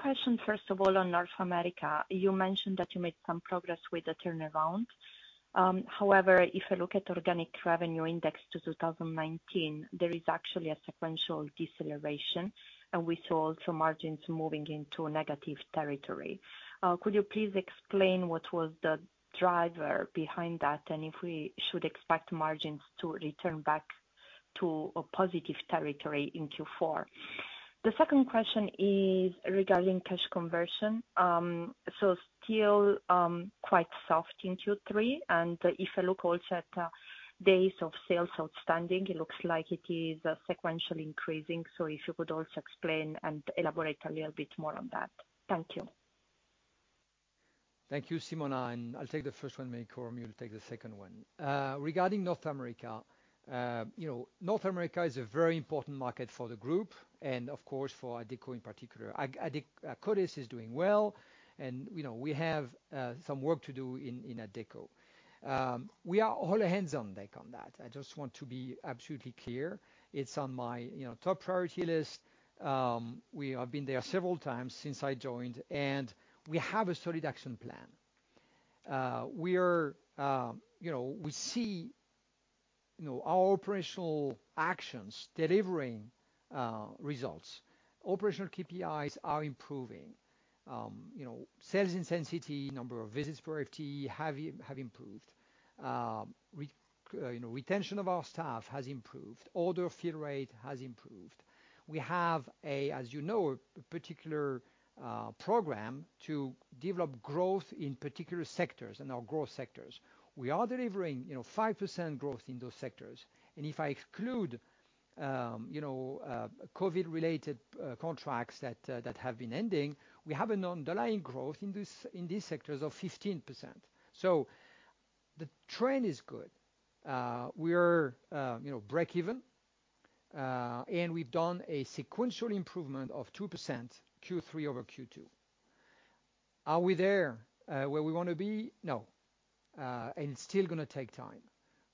Speaker 5: question, first of all, on North America. You mentioned that you made some progress with the turnaround. However, if you look at organic revenue index to 2019, there is actually a sequential deceleration, and we saw some margins moving into a negative territory. Could you please explain what was the driver behind that and if we should expect margins to return back to a positive territory in Q4? The second question is regarding cash conversion. Still, quite soft in Q3, and if you look also at days of sales outstanding, it looks like it is sequentially increasing. If you could also explain and elaborate a little bit more on that. Thank you.
Speaker 2: Thank you, Simona. I'll take the first one, maybe Coram will take the second one. Regarding North America, you know, North America is a very important market for the group and of course, for Adecco in particular. Akkodis is doing well and, you know, we have some work to do in Adecco. We are all hands on deck on that. I just want to be absolutely clear. It's on my, you know, top priority list. We have been there several times since I joined, and we have a solid action plan. We're, you know, we see, you know, our operational actions delivering results. Operational KPIs are improving. You know, sales intensity, number of visits per FTE have improved. You know, retention of our staff has improved. Order fill rate has improved. We have, as you know, a particular program to develop growth in particular sectors, in our growth sectors. We are delivering, you know, 5% growth in those sectors. If I exclude, you know, COVID-related contracts that have been ending, we have an underlying growth in this, in these sectors of 15%. The trend is good. We are, you know, breakeven. We've done a sequential improvement of 2% Q3 over Q2. Are we there, where we wanna be? No. It's still gonna take time.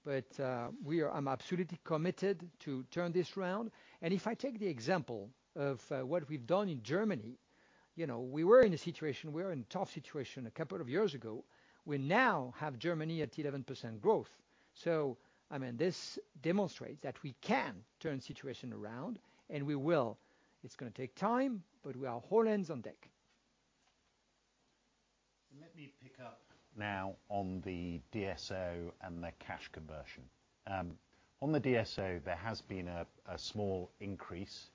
Speaker 2: I'm absolutely committed to turn this around. If I take the example of what we've done in Germany, you know, we were in a tough situation a couple of years ago. We now have Germany at 11% growth. I mean, this demonstrates that we can turn situation around, and we will. It's gonna take time, but we are all hands on deck.
Speaker 3: Let me pick up now on the DSO and the cash conversion. On the DSO, there has been a small increase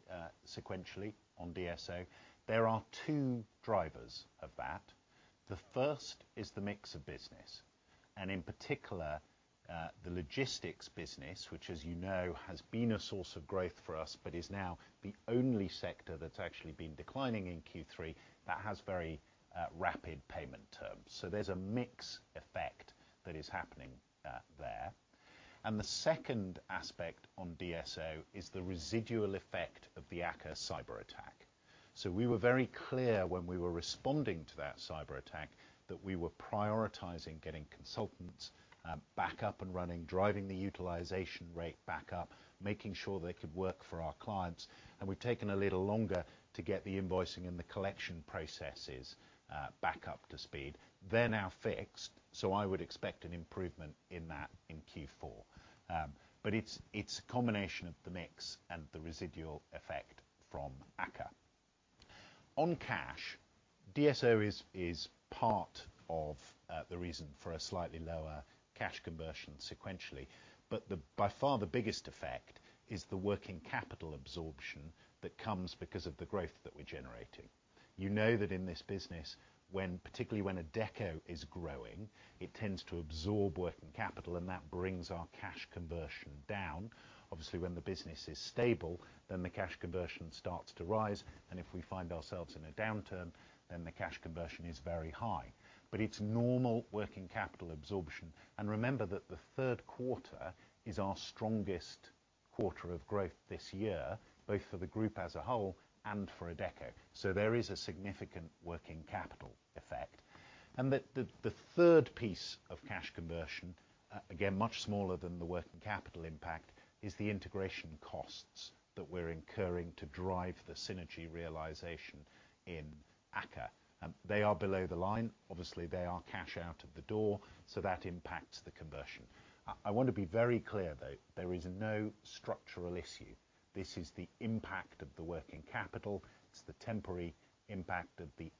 Speaker 3: sequentially on DSO. There are two drivers of that. The first is the mix of business, and in particular, the logistics business, which, as you know, has been a source of growth for us, but is now the only sector that's actually been declining in Q3 that has very rapid payment terms. There's a mix effect that is happening there. The second aspect on DSO is the residual effect of the AKKA cyberattack. We were very clear when we were responding to that cyberattack that we were prioritizing getting consultants back up and running, driving the utilization rate back up, making sure they could work for our clients, and we've taken a little longer to get the invoicing and the collection processes back up to speed. They're now fixed, so I would expect an improvement in that in Q4. It's a combination of the mix and the residual effect from AKKA. On cash, DSO is part of the reason for a slightly lower cash conversion sequentially. By far the biggest effect is the working capital absorption that comes because of the growth that we're generating. You know that in this business, particularly when Adecco is growing, it tends to absorb working capital, and that brings our cash conversion down. Obviously, when the business is stable, then the cash conversion starts to rise, and if we find ourselves in a downturn, then the cash conversion is very high. It's normal working capital absorption. Remember that the third quarter is our strongest quarter of growth this year, both for the group as a whole and for Adecco. There is a significant working capital effect. The third piece of cash conversion, again, much smaller than the working capital impact, is the integration costs that we're incurring to drive the synergy realization in AKKA. They are below the line. Obviously, they are cash out of the door, so that impacts the conversion. I want to be very clear, though. There is no structural issue. This is the impact of the working capital. It's the temporary impact of the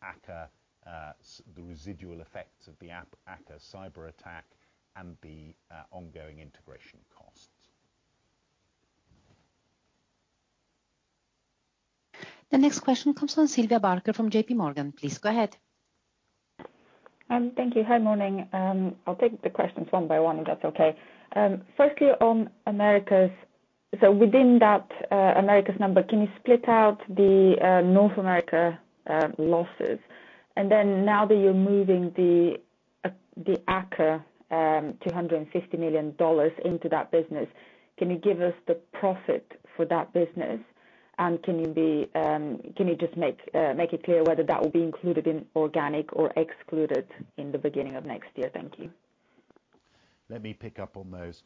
Speaker 3: residual effects of the AKKA cyberattack and the ongoing integration costs.
Speaker 4: The next question comes from Sylvia Barker from JP Morgan. Please go ahead.
Speaker 6: Thank you. Hi, morning. I'll take the questions one by one, if that's okay. Firstly, on Americas. Within that, Americas number, can you split out the North America losses? Now that you're moving the AKKA $250 million into that business, can you give us the profit for that business? Can you just make it clear whether that will be included in organic or excluded in the beginning of next year? Thank you.
Speaker 3: Let me pick up on those.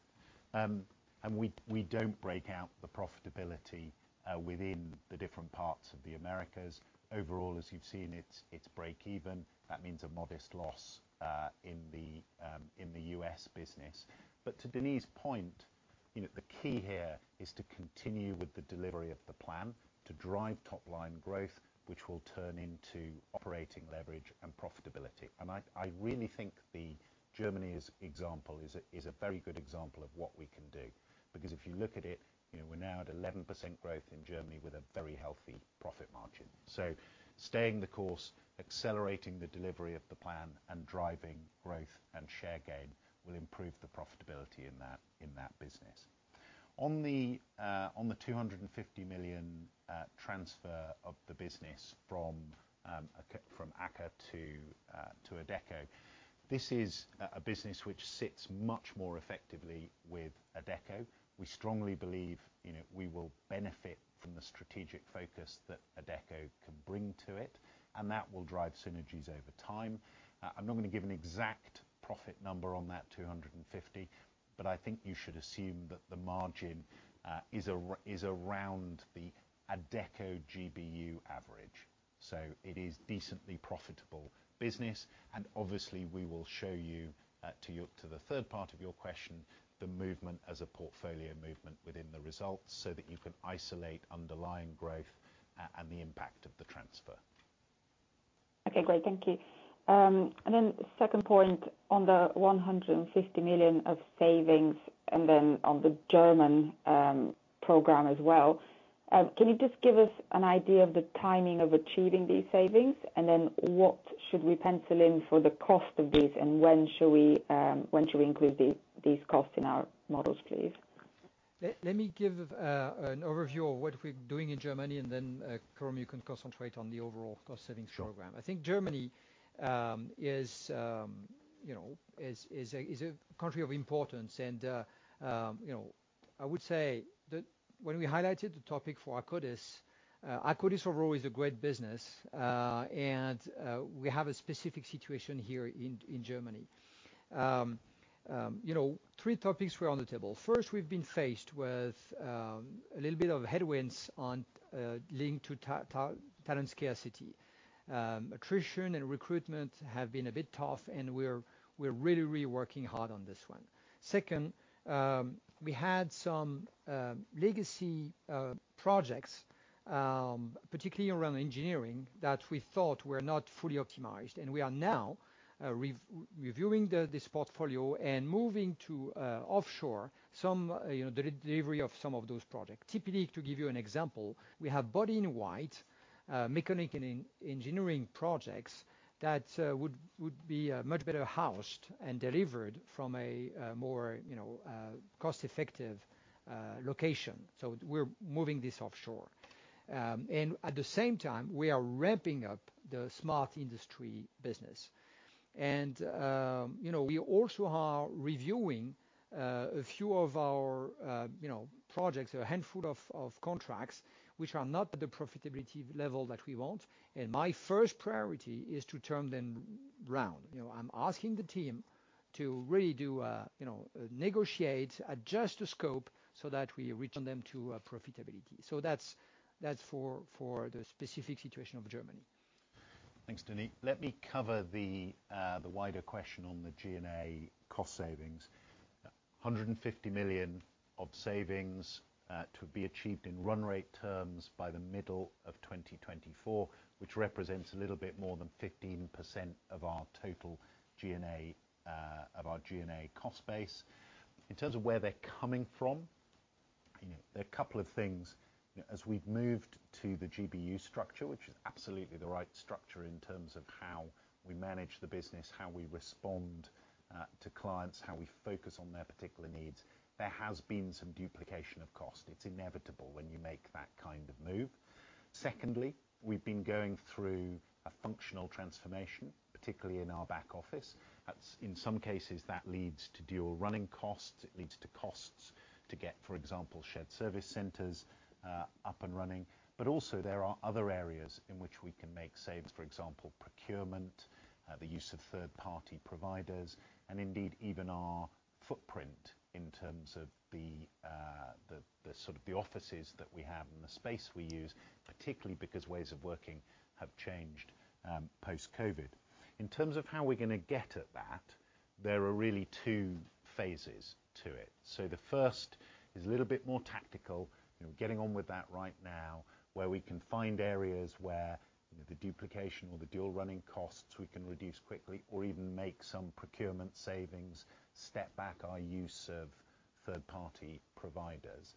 Speaker 3: We don't break out the profitability within the different parts of the Americas. Overall, as you've seen, it's breakeven. That means a modest loss in the U.S. business. To Denis's point, you know, the key here is to continue with the delivery of the plan to drive top-line growth, which will turn into operating leverage and profitability. I really think Germany's example is a very good example of what we can do. Because if you look at it, you know, we're now at 11% growth in Germany with a very healthy profit margin. Staying the course, accelerating the delivery of the plan, and driving growth and share gain will improve the profitability in that business. On the $250 million transfer of the business from AKKA to Adecco, this is a business which sits much more effectively with Adecco. We strongly believe, you know, we will benefit from the strategic focus that Adecco can bring to it, and that will drive synergies over time. I'm not gonna give an exact profit number on that $250 million, but I think you should assume that the margin is around the Adecco GBU average. It is decently profitable business, and obviously we will show you to the third part of your question, the movement as a portfolio movement within the results, so that you can isolate underlying growth and the impact of the transfer.
Speaker 6: Okay, great. Thank you. Second point on the 150 million of savings, and then on the German program as well. Can you just give us an idea of the timing of achieving these savings, and then what should we pencil in for the cost of these, and when should we include these costs in our models, please?
Speaker 2: Let me give an overview of what we're doing in Germany, and then, Coram, you can concentrate on the overall cost savings program.
Speaker 3: Sure.
Speaker 2: I think Germany, you know, is a country of importance. You know, I would say that when we highlighted the topic for Akkodis overall is a great business. We have a specific situation here in Germany. You know, three topics were on the table. First, we've been faced with a little bit of headwinds on linked to talent scarcity. Attrition and recruitment have been a bit tough, and we're really working hard on this one. Second, we had some legacy projects particularly around engineering that we thought were not fully optimized. We are now reviewing this portfolio and moving to offshore some, you know, the delivery of some of those projects. Typically, to give you an example, we have body-in-white, mechanical and engineering projects that would be much better housed and delivered from a more, you know, cost-effective location. We're moving this offshore. At the same time, we are ramping up the smart industry business. We also are reviewing a few of our projects or a handful of contracts which are not at the profitability level that we want, and my first priority is to turn them around. You know, I'm asking the team to really, you know, negotiate, adjust the scope so that we return them to profitability. That's for the specific situation of Germany.
Speaker 3: Thanks, Denis. Let me cover the wider question on the G&A cost savings. 150 million of savings to be achieved in run rate terms by the middle of 2024, which represents a little bit more than 15% of our total G&A of our G&A cost base. In terms of where they're coming from, you know, there are a couple of things. As we've moved to the GBU structure, which is absolutely the right structure in terms of how we manage the business, how we respond to clients, how we focus on their particular needs, there has been some duplication of cost. It's inevitable when you make that kind of move. Secondly, we've been going through a functional transformation, particularly in our back office. That's in some cases, that leads to dual running costs. It leads to costs to get, for example, shared service centers up and running. Also there are other areas in which we can make savings, for example, procurement, the use of third-party providers, and indeed even our footprint in terms of the sort of offices that we have and the space we use, particularly because ways of working have changed, post-COVID. In terms of how we're gonna get at that, there are really two phases to it. The first is a little bit more tactical, you know, getting on with that right now, where we can find areas where, you know, the duplication or the dual running costs we can reduce quickly or even make some procurement savings, step back our use of third-party providers.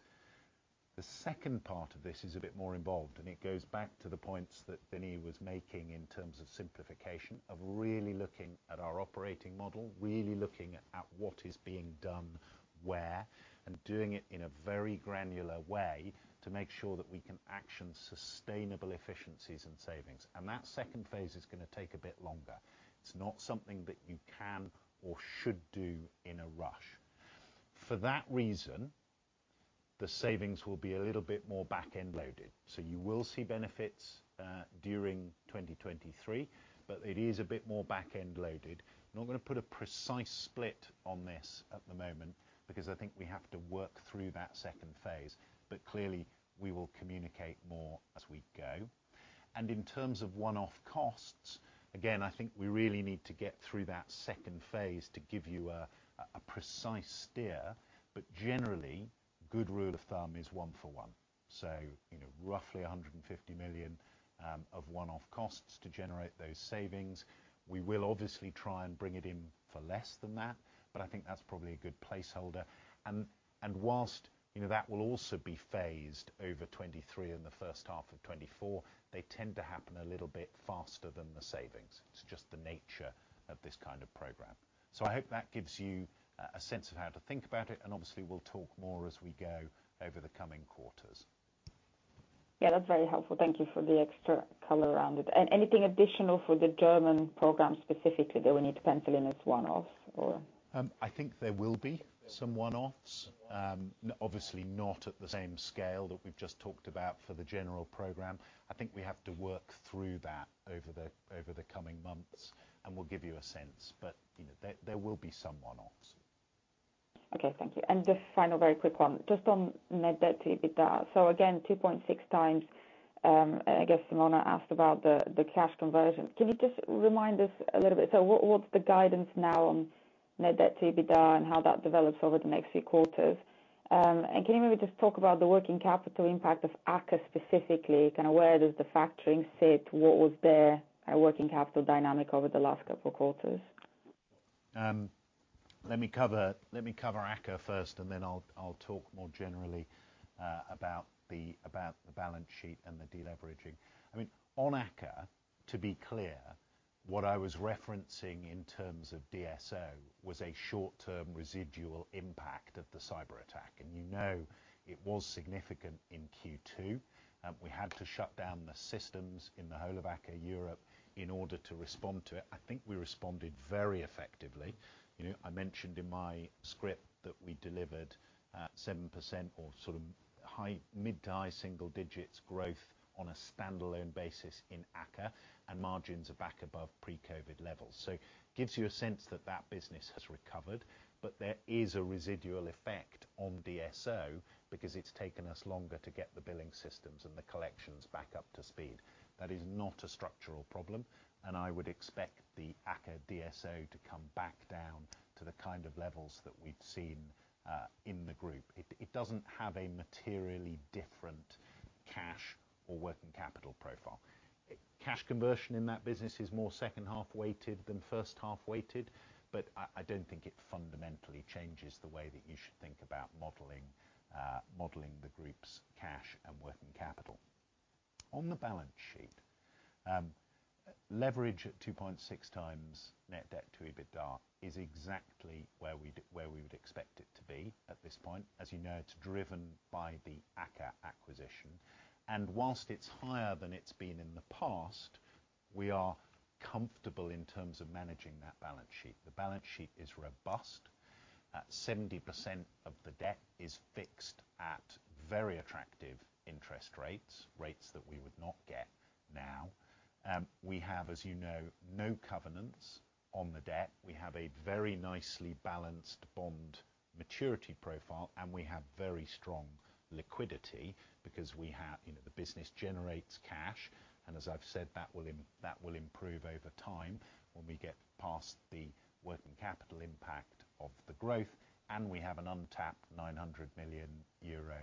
Speaker 3: The second part of this is a bit more involved, and it goes back to the points that Denis was making in terms of simplification, of really looking at our operating model, really looking at what is being done where, and doing it in a very granular way to make sure that we can action sustainable efficiencies and savings. That second phase is gonna take a bit longer. It's not something that you can or should do in a rush. For that reason, the savings will be a little bit more back-end loaded. You will see benefits during 2023, but it is a bit more back-end loaded. Not gonna put a precise split on this at the moment because I think we have to work through that second phase. Clearly, we will communicate more as we go. In terms of one-off costs, again, I think we really need to get through that second phase to give you a precise steer. Generally, good rule of thumb is one for one. You know, roughly 150 million of one-off costs to generate those savings. We will obviously try and bring it in for less than that, but I think that's probably a good placeholder. Whilst, you know, that will also be phased over 2023 and the first half of 2024, they tend to happen a little bit faster than the savings. It's just the nature of this kind of program. I hope that gives you a sense of how to think about it, and obviously we'll talk more as we go over the coming quarters.
Speaker 6: Yeah, that's very helpful. Thank you for the extra color around it. Anything additional for the German program specifically that we need to pencil in as one-off or?
Speaker 3: I think there will be some one-offs. Obviously not at the same scale that we've just talked about for the general program. I think we have to work through that over the coming months, and we'll give you a sense. You know, there will be some one-offs.
Speaker 6: Okay, thank you. Just final very quick one, just on net debt to EBITDA. Again, 2.6x, I guess Simona asked about the cash conversion. Can you just remind us a little bit, what is the guidance now on net debt to EBITDA and how that develops over the next few quarters? Can you maybe just talk about the working capital impact of AKKA specifically, kind of where does the factoring sit? What was their working capital dynamic over the last couple quarters?
Speaker 3: Let me cover AKKA first and then I'll talk more generally about the balance sheet and the deleveraging. I mean, on AKKA, to be clear, what I was referencing in terms of DSO was a short-term residual impact of the cyberattack. You know, it was significant in Q2, and we had to shut down the systems in the whole of AKKA Europe in order to respond to it. I think we responded very effectively. You know, I mentioned in my script that we delivered 7% or sort of high mid-to-high single digits growth on a standalone basis in AKKA and margins are back above pre-COVID levels. Gives you a sense that that business has recovered. There is a residual effect on DSO because it's taken us longer to get the billing systems and the collections back up to speed. That is not a structural problem, and I would expect the AKKA DSO to come back down to the kind of levels that we've seen in the group. It doesn't have a materially different cash or working capital profile. Cash conversion in that business is more second half weighted than first half weighted, but I don't think it fundamentally changes the way that you should think about modeling the group's cash and working capital. On the balance sheet, leverage at 2.6x net debt to EBITDA is exactly where we would expect it to be at this point. As you know, it's driven by the AKKA acquisition. While it's higher than it's been in the past, we are comfortable in terms of managing that balance sheet. The balance sheet is robust. 70% of the debt is fixed at very attractive interest rates that we would not get now. We have, as you know, no covenants on the debt. We have a very nicely balanced bond maturity profile, and we have very strong liquidity because we have... You know, the business generates cash, and as I've said, that will improve over time when we get past the working capital impact of the growth. We have an untapped 900 million euro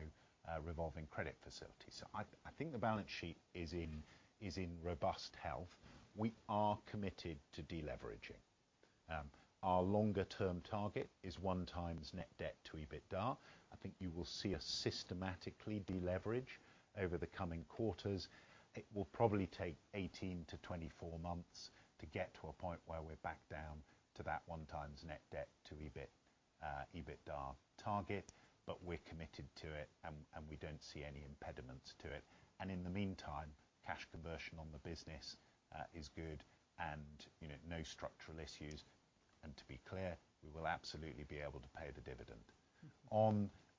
Speaker 3: revolving credit facility. I think the balance sheet is in robust health. We are committed to deleveraging. Our longer term target is 1x net debt to EBITDA. I think you will see us systematically deleverage over the coming quarters. It will probably take 18-24 months to get to a point where we're back down to that 1x net debt to EBIT, EBITDA target. We're committed to it and we don't see any impediments to it. In the meantime, cash conversion on the business is good and, you know, no structural issues. To be clear, we will absolutely be able to pay the dividend.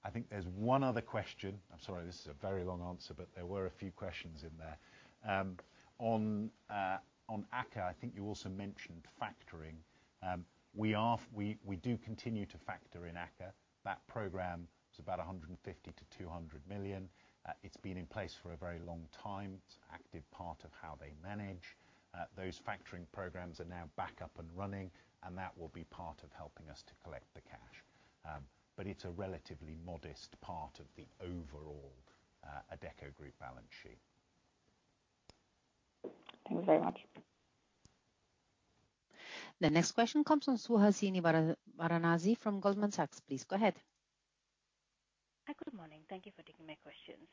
Speaker 3: I think there's one other question. I'm sorry this is a very long answer, but there were a few questions in there. On AKKA, I think you also mentioned factoring. We do continue to factor in AKKA. That program is about 150 million-200 million. It's been in place for a very long time. It's an active part of how they manage. Those factoring programs are now back up and running, and that will be part of helping us to collect the cash. It's a relatively modest part of the overall Adecco Group balance sheet.
Speaker 6: Thank you very much.
Speaker 4: The next question comes from Suhasini Varanasi from Goldman Sachs. Please go ahead.
Speaker 7: Hi, good morning. Thank you for taking my questions.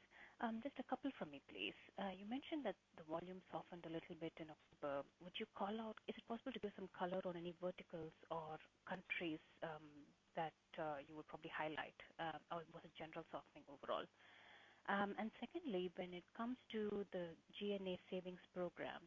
Speaker 7: Just a couple from me, please. You mentioned that the volume softened a little bit in October. Would you call out? Is it possible to give some color on any verticals or countries that you would probably highlight, or was it general softening overall? Secondly, when it comes to the G&A savings program,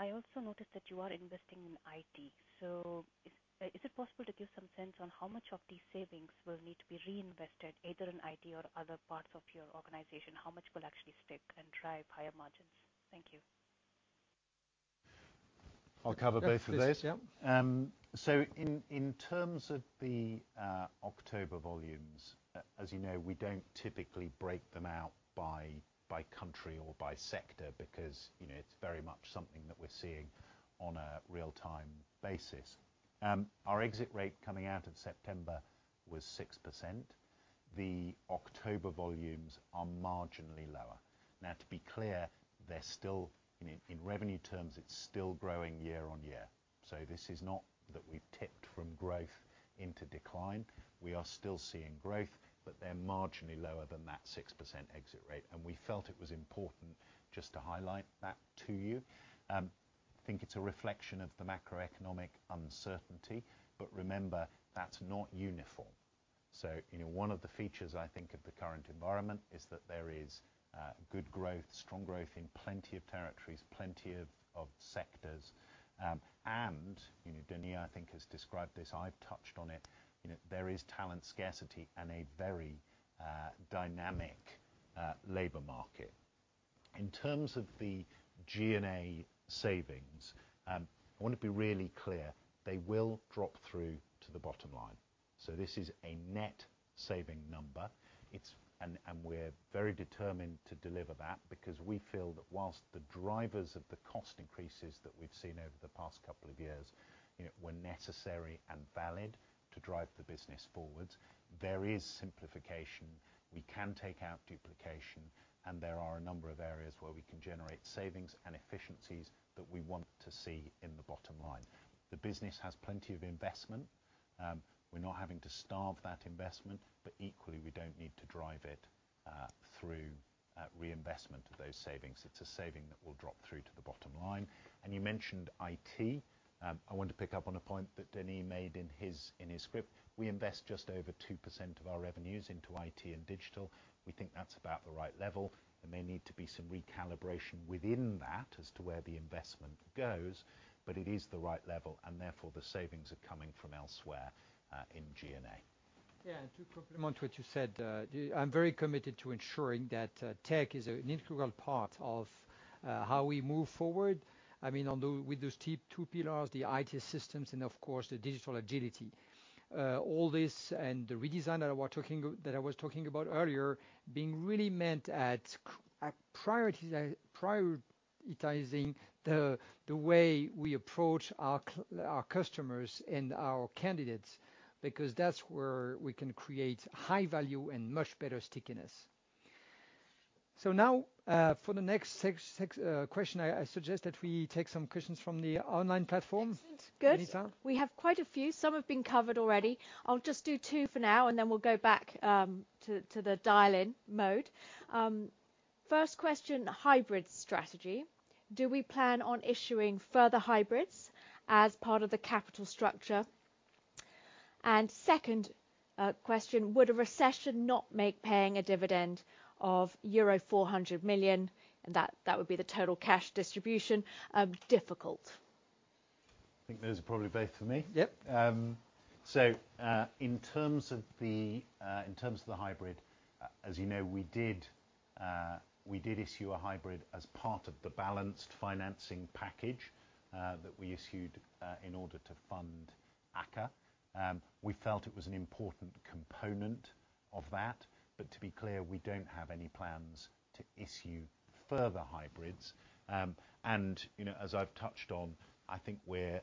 Speaker 7: I also noticed that you are investing in IT. Is it possible to give some sense on how much of these savings will need to be reinvested either in IT or other parts of your organization? How much will actually stick and drive higher margins? Thank you.
Speaker 3: I'll cover both of those.
Speaker 2: Yeah, please.
Speaker 3: So in terms of the October volumes, as you know, we don't typically break them out by country or by sector because, you know, it's very much something that we're seeing on a real-time basis. Our exit rate coming out of September was 6%. The October volumes are marginally lower. Now, to be clear, they're still, you know, in revenue terms, it's still growing year-on-year. This is not that we've tipped from growth into decline. We are still seeing growth, but they're marginally lower than that 6% exit rate. We felt it was important just to highlight that to you. I think it's a reflection of the macroeconomic uncertainty. Remember, that's not uniform. You know, one of the features I think of the current environment is that there is good growth, strong growth in plenty of territories, plenty of sectors. Denis has described this. I've touched on it, you know, there is talent scarcity and a very dynamic labor market. In terms of the G&A savings, I want to be really clear they will drop through to the bottom line. This is a net savings number. It is a net savings number. We are very determined to deliver that because we feel that while the drivers of the cost increases that we've seen over the past couple of years, you know, were necessary and valid to drive the business forward, there is simplification. We can take out duplication, and there are a number of areas where we can generate savings and efficiencies that we want to see in the bottom line. The business has plenty of investment. We're not having to starve that investment, but equally, we don't need to drive it through reinvestment of those savings. It's a saving that will drop through to the bottom line. You mentioned IT. I want to pick up on a point that Denis made in his script. We invest just over 2% of our revenues into IT and digital. We think that's about the right level. There may need to be some recalibration within that as to where the investment goes, but it is the right level, and therefore, the savings are coming from elsewhere in G&A.
Speaker 2: Yeah. To complement what you said, I'm very committed to ensuring that tech is an integral part of how we move forward. I mean, with those two pillars, the IT systems and of course, the digital agility. All this and the redesign that I was talking about earlier, being really meant at prioritizing the way we approach our customers and our candidates because that's where we can create high value and much better stickiness. Now, for the next question, I suggest that we take some questions from the online platform.
Speaker 1: Excellent. Good.
Speaker 2: Benita.
Speaker 1: We have quite a few. Some have been covered already. I'll just do two for now, and then we'll go back to the dial-in mode. First question, hybrid strategy. Do we plan on issuing further hybrids as part of the capital structure? Second question: Would a recession not make paying a dividend of euro 400 million, and that would be the total cash distribution, difficult?
Speaker 3: I think those are probably both for me.
Speaker 2: Yep.
Speaker 3: In terms of the hybrid, as you know, we did issue a hybrid as part of the balanced financing package that we issued in order to fund AKKA. We felt it was an important component of that. To be clear, we don't have any plans to issue further hybrids. You know, as I've touched on, I think we're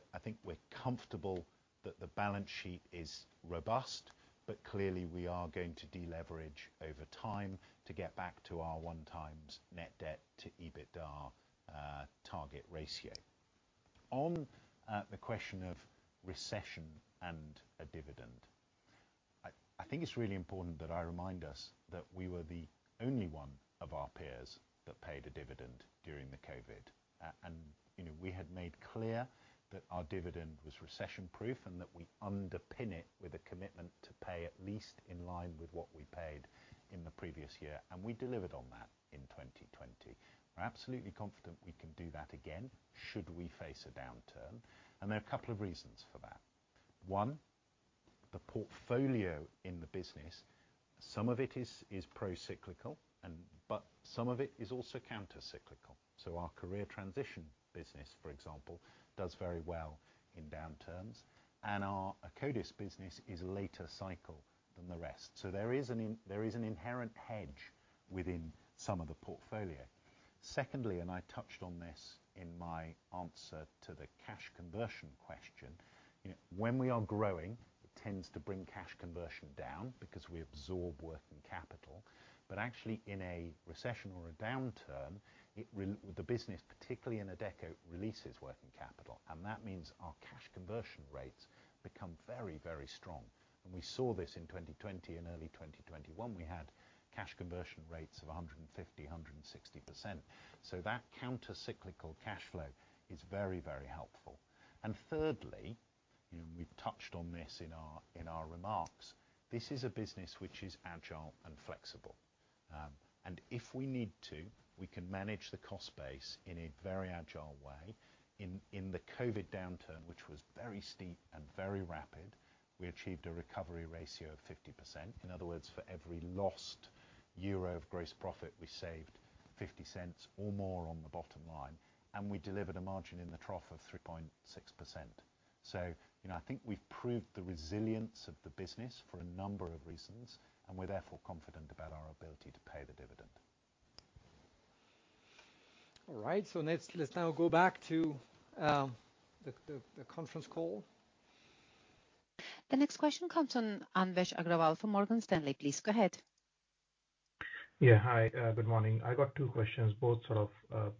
Speaker 3: comfortable that the balance sheet is robust, but clearly, we are going to deleverage over time to get back to our 1x net debt to EBITDA target ratio. On the question of recession and a dividend, I think it's really important that I remind us that we were the only one of our peers that paid a dividend during the COVID. You know, we had made clear that our dividend was recession-proof and that we underpin it with a commitment to pay at least in line with what we paid in the previous year, and we delivered on that in 2020. We're absolutely confident we can do that again should we face a downturn, and there are a couple of reasons for that. One, the portfolio in the business, some of it is procyclical, but some of it is also countercyclical. Our career transition business, for example, does very well in downturns, and our Akkodis business is later cycle than the rest. There is an inherent hedge within some of the portfolio. Secondly, and I touched on this in my answer to the cash conversion question. You know, when we are growing, it tends to bring cash conversion down because we absorb working capital. Actually, in a recession or a downturn, the business, particularly in Adecco, releases working capital, and that means our cash conversion rates become very, very strong. We saw this in 2020 and early 2021. We had cash conversion rates of 150%, 160%. That countercyclical cash flow is very, very helpful. Thirdly, you know, we've touched on this in our remarks. This is a business which is agile and flexible. If we need to, we can manage the cost base in a very agile way. In the COVID downturn, which was very steep and very rapid, we achieved a recovery ratio of 50%. In other words, for every lost euro of gross profit, we saved 0.50 or more on the bottom line, and we delivered a margin in the trough of 3.6%. You know, I think we've proved the resilience of the business for a number of reasons, and we're therefore confident about our ability to pay the dividend.
Speaker 2: All right. Let's now go back to the conference call.
Speaker 4: The next question comes from Anvesh Agrawal from Morgan Stanley. Please go ahead.
Speaker 8: Yeah. Hi. Good morning. I got two questions, both sort of,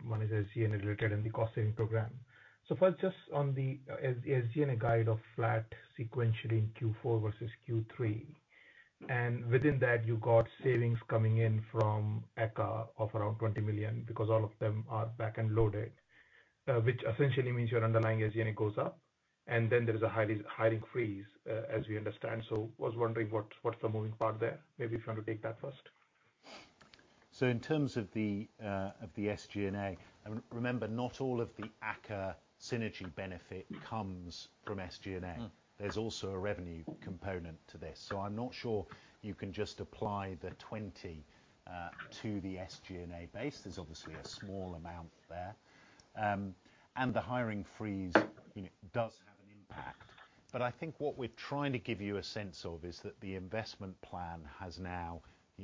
Speaker 8: one is SG&A related and the cost-saving program. First, just on the SG&A guide of flat sequentially in Q4 versus Q3. Within that, you got savings coming in from AKKA of around 20 million because all of them are back-loaded, which essentially means your underlying SG&A goes up. Then there is a hiring freeze, as we understand. I was wondering what's the moving part there? Maybe if you want to take that first.
Speaker 3: In terms of the SG&A, remember, not all of the AKKA synergy benefit comes from SG&A.
Speaker 8: Mm-hmm.
Speaker 3: There's also a revenue component to this. I'm not sure you can just apply the 20 million to the SG&A base. There's obviously a small amount there. The hiring freeze, you know, does have an impact. I think what we're trying to give you a sense of is that the investment plan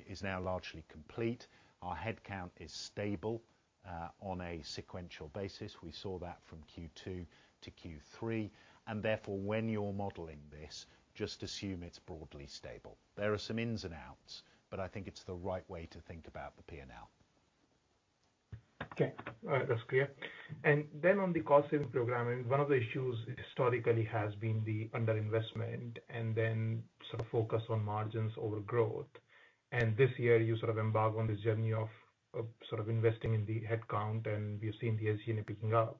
Speaker 3: is now largely complete. Our head count is stable on a sequential basis. We saw that from Q2 to Q3, and therefore, when you're modeling this, just assume it's broadly stable. There are some ins and outs, but I think it's the right way to think about the P&L.
Speaker 8: Okay. All right. That's clear. On the cost saving program, one of the issues historically has been the under-investment and then sort of focus on margins over growth. This year you sort of embark on this journey of sort of investing in the head count, and we've seen the SG&A picking up.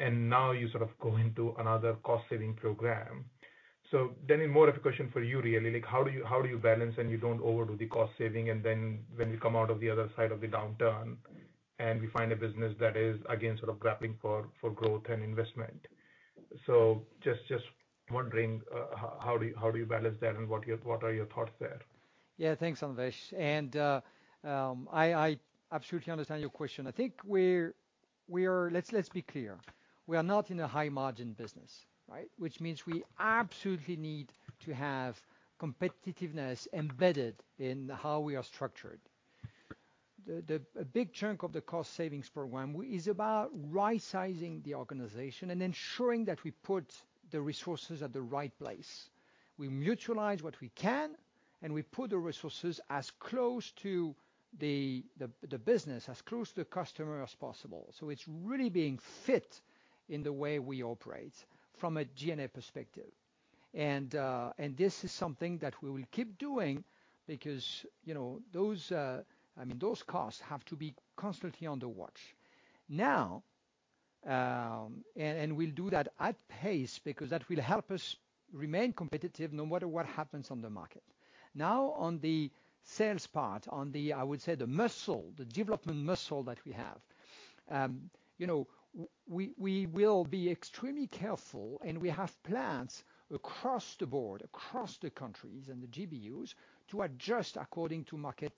Speaker 8: Now you sort of go into another cost saving program. Denis, more of a question for you really, like, how do you balance and you don't overdo the cost saving and then when you come out of the other side of the downturn and we find a business that is again, sort of grappling for growth and investment. Just wondering, how do you balance that and what are your thoughts there?
Speaker 2: Yeah, thanks, Anvesh. I absolutely understand your question. I think. Let's be clear. We are not in a high margin business, right? Which means we absolutely need to have competitiveness embedded in how we are structured. A big chunk of the cost savings program is about right-sizing the organization and ensuring that we put the resources at the right place. We mutualize what we can, and we put the resources as close to the business, as close to the customer as possible. So it's really being fit in the way we operate from a G&A perspective. This is something that we will keep doing because, you know, I mean, those costs have to be constantly under watch. Now, we'll do that at pace because that will help us remain competitive no matter what happens on the market. Now, on the sales part, I would say, the muscle, the development muscle that we have, you know, we will be extremely careful, and we have plans across the board, across the countries and the GBUs to adjust according to market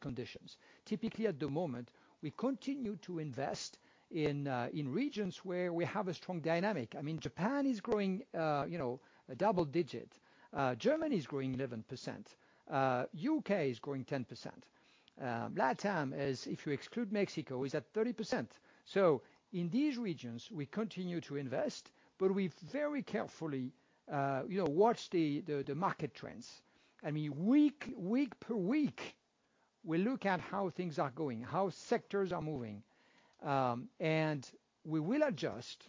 Speaker 2: conditions. Typically, at the moment, we continue to invest in regions where we have a strong dynamic. I mean, Japan is growing double-digit. Germany is growing 11%. U.K. is growing 10%. LATAM is, if you exclude Mexico, at 30%. In these regions, we continue to invest, but we very carefully, you know, watch the market trends. I mean, week per week, we look at how things are going, how sectors are moving. We will adjust.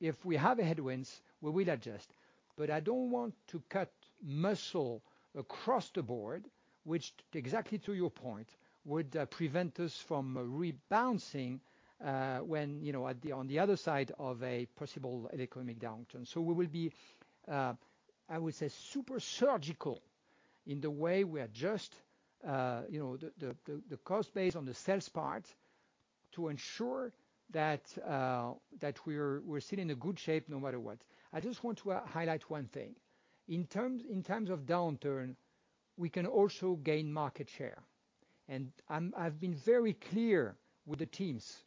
Speaker 2: If we have headwinds, we will adjust. I don't want to cut muscle across the board, which exactly to your point, would prevent us from rebounding, when, you know, on the other side of a possible economic downturn. We will be, I would say, super surgical in the way we adjust, you know, the cost base on the sales part to ensure that we're still in a good shape no matter what. I just want to highlight one thing. In times of downturn, we can also gain market share. I've been very clear with the teams.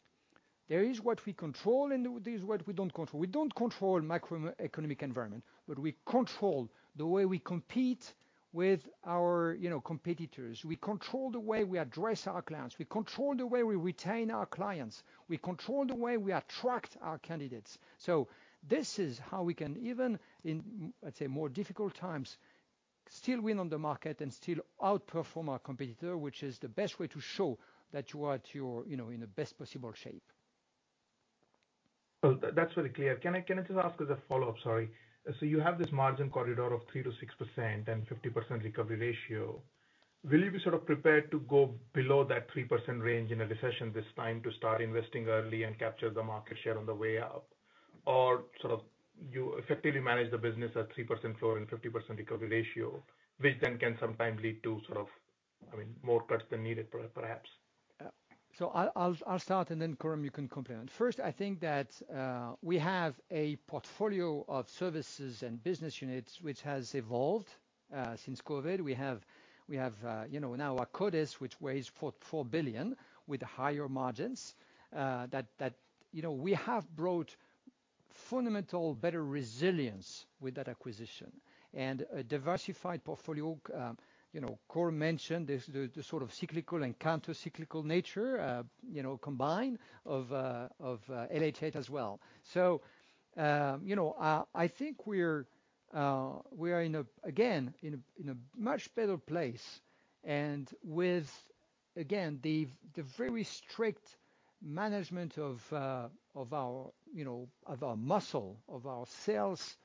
Speaker 2: There is what we control and there's what we don't control. We don't control macroeconomic environment, but we control the way we compete with our, you know, competitors. We control the way we address our clients. We control the way we retain our clients. We control the way we attract our candidates. This is how we can even in, let's say, more difficult times, still win on the market and still outperform our competitor, which is the best way to show that you are at your, you know, in the best possible shape.
Speaker 8: That's very clear. Can I just ask as a follow-up? Sorry. You have this margin corridor of 3%-6% and 50% recovery ratio. Will you be sort of prepared to go below that 3% range in a recession this time to start investing early and capture the market share on the way up? You effectively manage the business at 3% floor and 50% recovery ratio, which then can sometimes lead to sort of, I mean, more cuts than needed perhaps.
Speaker 2: I'll start and then Coram, you can compliment. First, I think that we have a portfolio of services and business units which has evolved since COVID. We have now Akkodis, which weighs 4 billion with higher margins, we have brought fundamentally better resilience with that acquisition and a diversified portfolio. Coram mentioned this, the sort of cyclical and counter-cyclical nature combined with LHH as well. I think we are in a much better place again and with again the very strict management of our costs, of our sales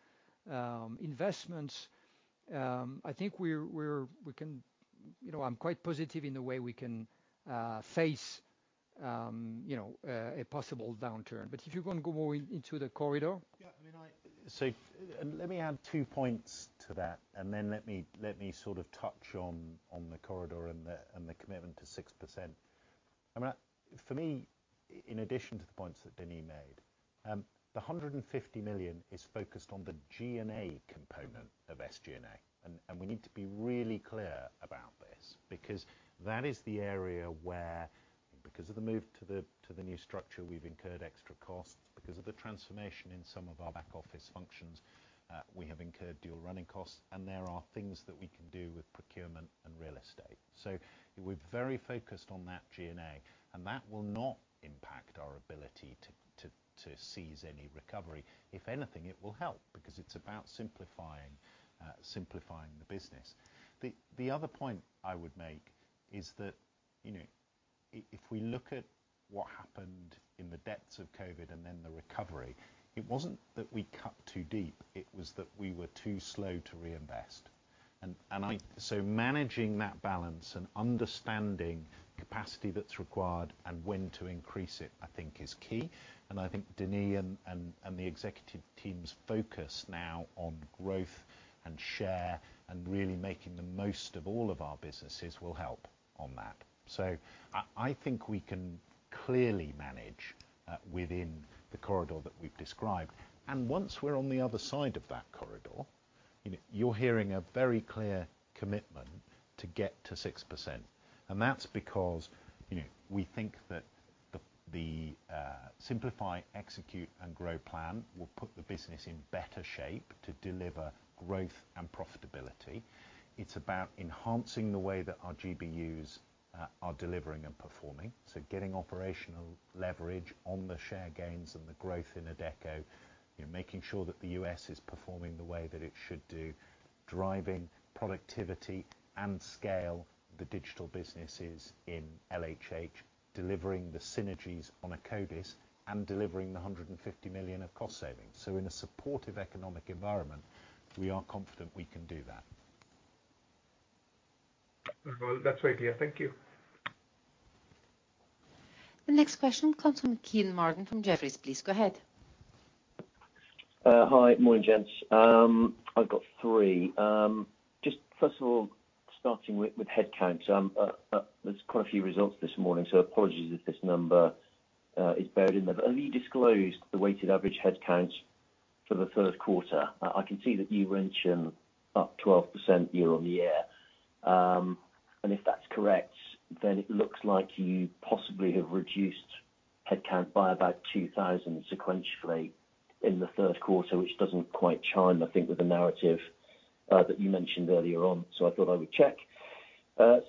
Speaker 2: investments. I think we can... You know, I'm quite positive in the way we can face, you know, a possible downturn. If you wanna go more into the corridor.
Speaker 3: Yeah. I mean, so let me add two points to that and then let me sort of touch on the corridor and the commitment to 6%. I mean, for me, in addition to the points that Denis made, the 150 million is focused on the G&A component of SG&A. We need to be really clear about this because that is the area where, because of the move to the new structure, we've incurred extra costs. Because of the transformation in some of our back office functions, we have incurred dual running costs, and there are things that we can do with procurement and real estate. We're very focused on that G&A, and that will not impact our ability to seize any recovery. If anything, it will help because it's about simplifying the business. The other point I would make is that, you know, if we look at what happened in the depths of COVID and then the recovery, it wasn't that we cut too deep, it was that we were too slow to reinvest. Managing that balance and understanding capacity that's required and when to increase it, I think is key. I think Denis and the executive team's focus now on growth and share and really making the most of all of our businesses will help on that. I think we can clearly manage within the corridor that we've described. Once we're on the other side of that corridor, you know, you're hearing a very clear commitment to get to 6%. That's because, you know, we think that the simplify, execute and grow plan will put the business in better shape to deliver growth and profitability. It's about enhancing the way that our GBUs are delivering and performing. Getting operational leverage on the share gains and the growth in Adecco. You know, making sure that the U.S. is performing the way that it should do. Driving productivity and scale the digital businesses in LHH. Delivering the synergies on Akkodis. Delivering the 150 million of cost savings. In a supportive economic environment, we are confident we can do that.
Speaker 8: Well, that's very clear. Thank you.
Speaker 4: The next question comes from Kean Marden from Jefferies. Please go ahead.
Speaker 9: Hi. Morning, gents. I've got three. Just first of all, starting with headcount. There's quite a few results this morning, so apologies if this number is buried in there. Have you disclosed the weighted average headcount for the first quarter? I can see that you mentioned up 12% year-on-year. If that's correct, then it looks like you possibly have reduced headcount by about 2,000 sequentially in the third quarter, which doesn't quite chime, I think, with the narrative that you mentioned earlier on. I thought I would check.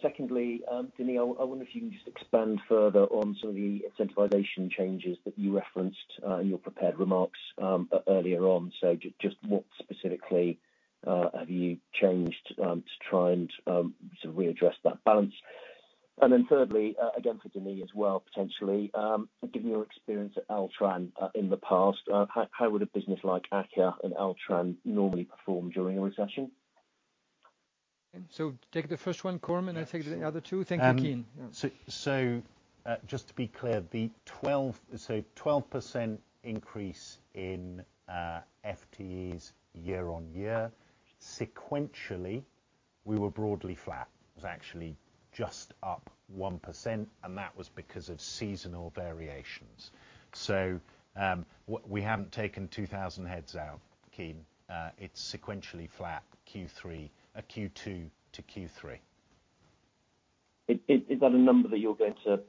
Speaker 9: Secondly, Denis, I wonder if you can just expand further on some of the incentivization changes that you referenced in your prepared remarks earlier on. Just what specifically have you changed to try and sort of readdress that balance? Then thirdly, again for Denis as well, potentially, given your experience at Altran in the past, how would a business like AKKA and Altran normally perform during a recession?
Speaker 2: Take the first one, Coram, and I'll take the other two. Thank you, Kean. Yeah.
Speaker 3: Just to be clear, 12% increase in FTEs year-on-year. Sequentially, we were broadly flat. It was actually just up 1%, and that was because of seasonal variations. We haven't taken 2,000 heads out, Kean. It's sequentially flat, Q2 to Q3.
Speaker 9: Is that a number that you're going to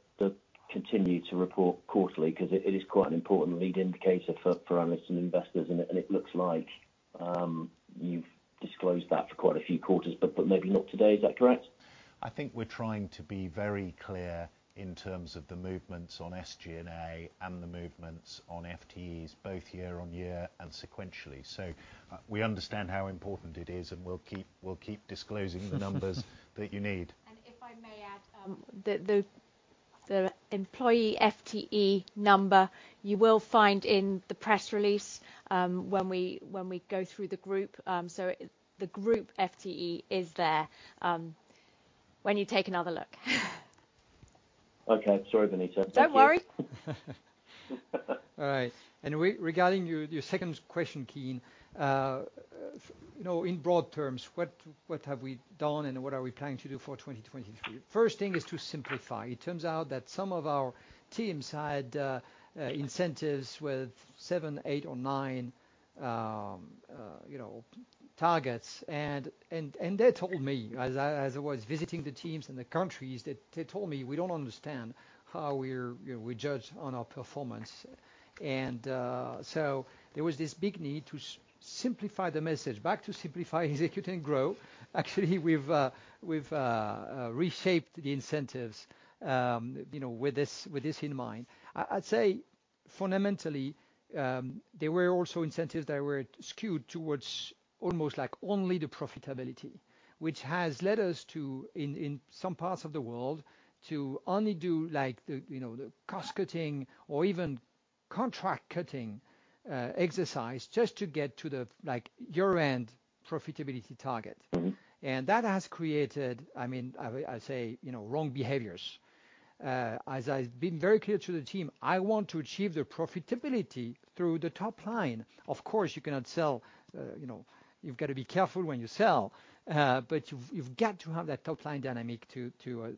Speaker 9: continue to report quarterly? 'Cause it is quite an important lead indicator for analysts and investors. It looks like you've disclosed that for quite a few quarters, but maybe not today. Is that correct?
Speaker 3: I think we're trying to be very clear in terms of the movements on SG&A and the movements on FTEs, both year-on-year and sequentially. We understand how important it is, and we'll keep disclosing the numbers that you need.
Speaker 1: If I may add, the employee FTE number you will find in the press release when we go through the group. The group FTE is there when you take another look.
Speaker 9: Okay. Sorry, Benita. Thank you.
Speaker 1: Don't worry.
Speaker 2: All right. Regarding your second question, Kean, in broad terms, what have we done and what are we planning to do for 2023? First thing is to simplify. It turns out that some of our teams had incentives with seven, eight or nine targets. They told me as I was visiting the teams in the countries that they told me, "We don't understand how we're judged on our performance." There was this big need to simplify the message back to simplify, execute and grow. Actually, we've reshaped the incentives with this in mind. I'd say fundamentally, there were also incentives that were skewed towards almost like only the profitability, which has led us to, in some parts of the world, to only do like the, you know, the cost cutting or even contract cutting exercise just to get to the, like, year-end profitability target. That has created, I mean, I say, you know, wrong behaviors. As I've been very clear to the team, I want to achieve the profitability through the top line. Of course, you cannot sell, you know, you've got to be careful when you sell, but you've got to have that top-line dynamic to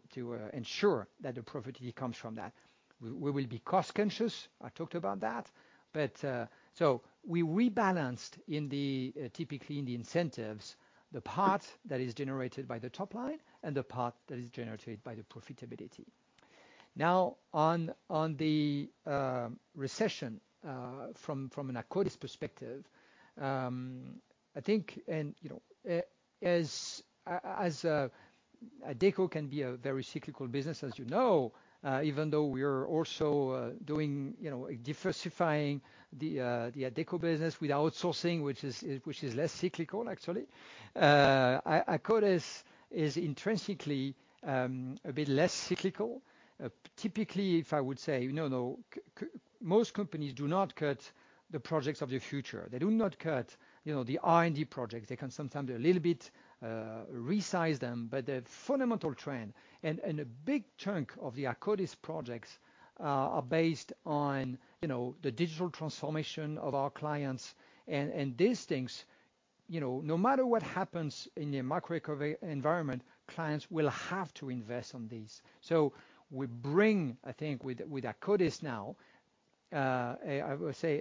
Speaker 2: ensure that the profitability comes from that. We will be cost-conscious. I talked about that. We rebalanced, typically, in the incentives, the part that is generated by the top line and the part that is generated by the profitability. On the recession, from an Akkodis' perspective, I think, you know, as Adecco can be a very cyclical business, as you know, even though we are also doing, you know, diversifying the Adecco business with outsourcing, which is less cyclical, actually. Akkodis is intrinsically a bit less cyclical. Typically, if I would say, you know, most companies do not cut the projects of the future. They do not cut, you know, the R&D projects. They can sometimes do a little bit right-size them, but the fundamental trend and a big chunk of the Akkodis projects are based on, you know, the digital transformation of our clients. These things, you know, no matter what happens in the macroeconomic environment, clients will have to invest in these. We bring, I think, with Akkodis now, a, I would say,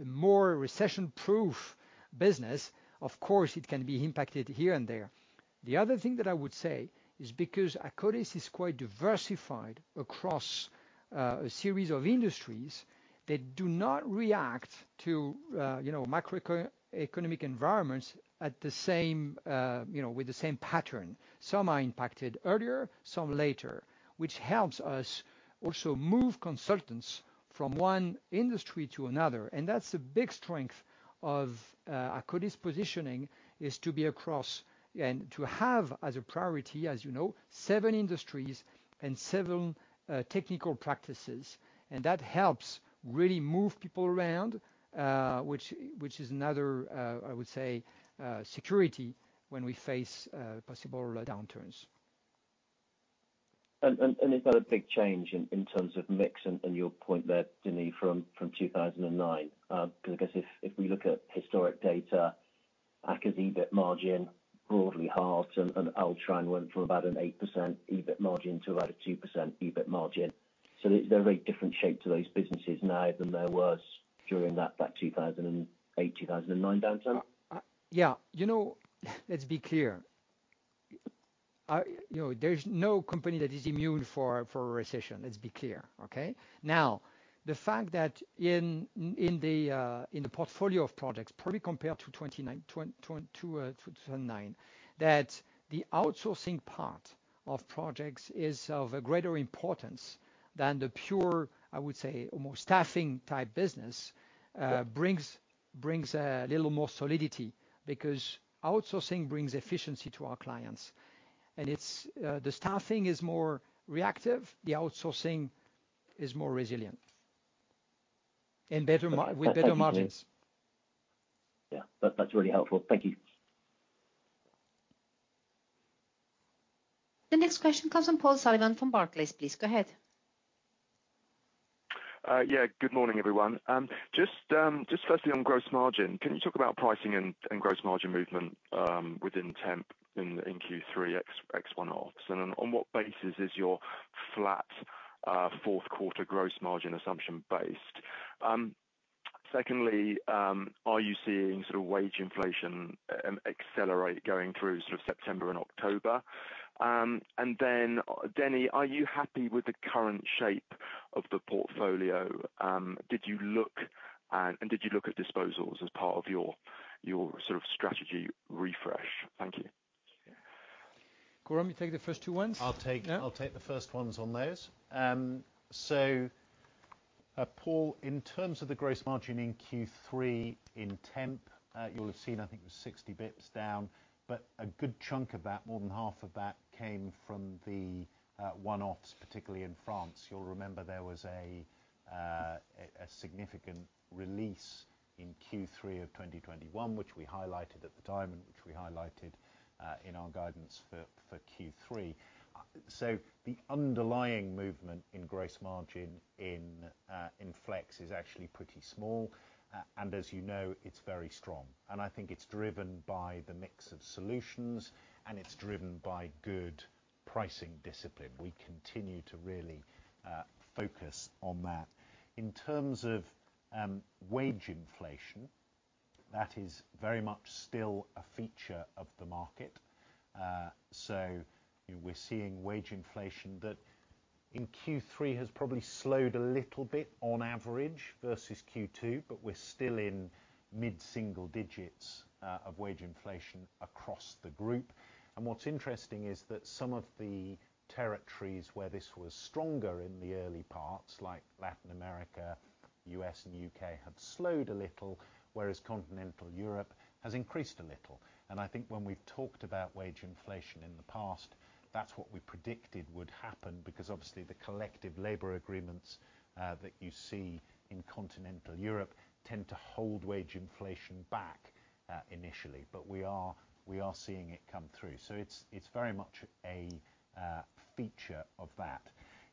Speaker 2: a more recession-proof business. Of course, it can be impacted here and there. The other thing that I would say is because Akkodis is quite diversified across a series of industries that do not react to, you know, macroeconomic environments at the same, you know, with the same pattern. Some are impacted earlier, some later, which helps us also move consultants from one industry to another. That's a big strength of Akkodis's positioning, is to be across and to have as a priority, as you know, seven industries and seven technical practices. That helps really move people around, which is another, I would say, security when we face possible downturns.
Speaker 9: Is that a big change in terms of mix and your point there, Denis, from 2009? I guess if we look at historic data, AKKA's EBIT margin broadly halves and Altran went from about an 8% EBIT margin to about a 2% EBIT margin. There's a very different shape to those businesses now than there was during that 2008, 2009 downturn.
Speaker 2: Yeah. You know, let's be clear. You know, there's no company that is immune to a recession. Let's be clear. Okay? Now, the fact that in the portfolio of projects, probably compared to 2009, that the outsourcing part of projects is of a greater importance than the pure, I would say, almost staffing type business, brings a little more solidity because outsourcing brings efficiency to our clients. It's the staffing is more reactive, the outsourcing is more resilient and better mar-
Speaker 9: That, that's useful.
Speaker 2: With better margins.
Speaker 9: Yeah. That's really helpful. Thank you.
Speaker 4: The next question comes from Paul Sullivan from Barclays. Please go ahead.
Speaker 10: Yeah. Good morning, everyone. Just firstly on gross margin, can you talk about pricing and gross margin movement within Temp in Q3 ex one-offs? On what basis is your flat fourth quarter gross margin assumption based? Secondly, are you seeing sort of wage inflation accelerate going through sort of September and October? Denis, are you happy with the current shape of the portfolio? Did you look at disposals as part of your sort of strategy refresh? Thank you.
Speaker 2: Coram, you take the first two ones?
Speaker 3: I'll take.
Speaker 2: Yeah.
Speaker 3: I'll take the first ones on those. Paul, in terms of the gross margin in Q3 in Temp, you'll have seen, I think it was 60 basis points down, but a good chunk of that, more than half of that came from the one-offs, particularly in France. You'll remember there was a significant release in Q3 of 2021, which we highlighted at the time and in our guidance for Q3. The underlying movement in gross margin in Flex is actually pretty small. As you know, it's very strong. I think it's driven by the mix of solutions, and it's driven by good pricing discipline. We continue to really focus on that. In terms of wage inflation, that is very much still a feature of the market. We're seeing wage inflation that in Q3 has probably slowed a little bit on average versus Q2, but we're still in mid-single digits of wage inflation across the group. What's interesting is that some of the territories where this was stronger in the early parts, like Latin America, U.S. and U.K., have slowed a little, whereas continental Europe has increased a little. I think when we've talked about wage inflation in the past, that's what we predicted would happen, because obviously the collective labor agreements that you see in continental Europe tend to hold wage inflation back. Initially, we are seeing it come through, so it's very much a feature of that.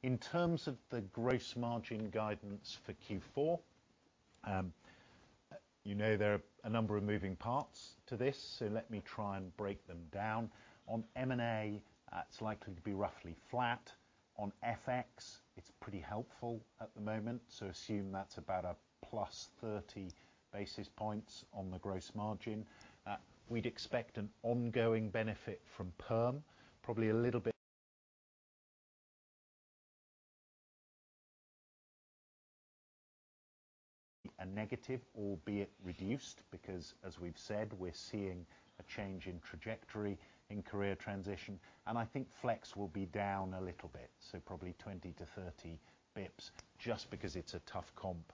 Speaker 3: In terms of the gross margin guidance for Q4. You know there are a number of moving parts to this, so let me try and break them down. On M&A, it's likely to be roughly flat. On FX, it's pretty helpful at the moment, so assume that's about +30 basis points on the gross margin. We'd expect an ongoing benefit from PERM, probably a little bit negative, albeit reduced, because as we've said, we're seeing a change in trajectory in career transition. I think Flex will be down a little bit, so probably 20-30 basis points, just because it's a tough comp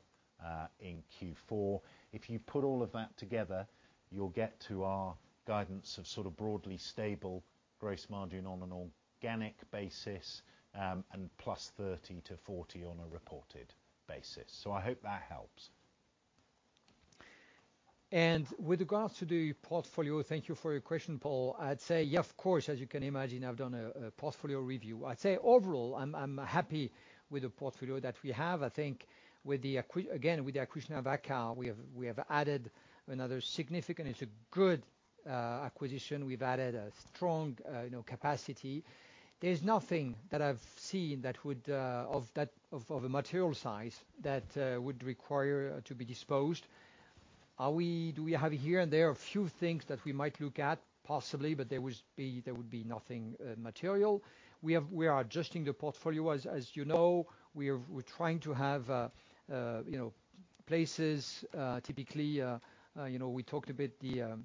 Speaker 3: in Q4. If you put all of that together, you'll get to our guidance of sort of broadly stable gross margin on an organic basis, and +30 to +40 on a reported basis. I hope that helps.
Speaker 2: With regards to the portfolio, thank you for your question, Paul. I'd say, yeah, of course, as you can imagine, I've done a portfolio review. I'd say overall, I'm happy with the portfolio that we have. I think again, with the acquisition of AKKA, we have added another significant acquisition. It's a good acquisition. We've added a strong, you know, capacity. There's nothing that I've seen that would be of a material size that would require to be disposed. Do we have here and there a few things that we might look at? Possibly, but there would be nothing material. We are adjusting the portfolio. As you know, we are trying to have placements, you know, typically, you know, we talked a bit about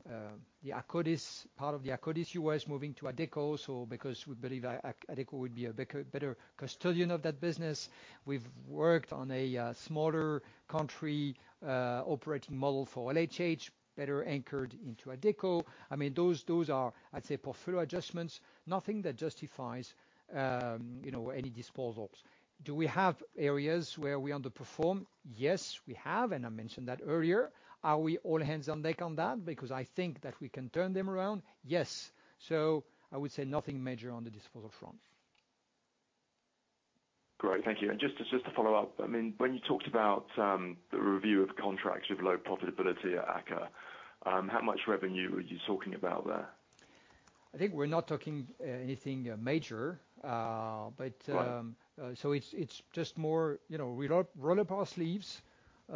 Speaker 2: the Akkodis part of the Akkodis U.S. moving to Adecco, so because we believe Adecco would be a better custodian of that business. We've worked on a smaller country operating model for LHH, better anchored into Adecco. I mean, those are, I'd say, portfolio adjustments, nothing that justifies, you know, any disposals. Do we have areas where we underperform? Yes, we have, and I mentioned that earlier. Are we all hands on deck on that because I think that we can turn them around? Yes. I would say nothing major on the disposal front.
Speaker 10: Great. Thank you. Just to follow up, I mean, when you talked about the review of contracts with low profitability at AKKA, how much revenue are you talking about there?
Speaker 2: I think we're not talking anything major.
Speaker 10: Right.
Speaker 2: It's just more, you know, we roll up our sleeves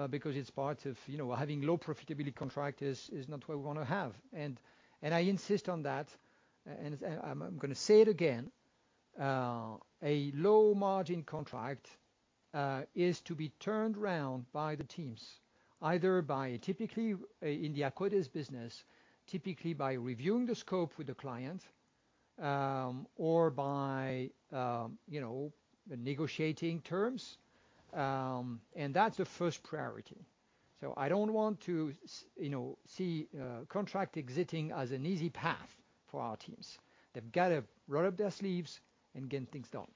Speaker 2: because it's part of, you know, having low profitability contract is not what we wanna have. I insist on that, and I'm gonna say it again, a low margin contract is to be turned around by the teams, either by typically in the Akkodis business, typically by reviewing the scope with the client, or by, you know, negotiating terms. That's the first priority. I don't want to see contract exiting as an easy path for our teams. They've got to roll up their sleeves and get things done.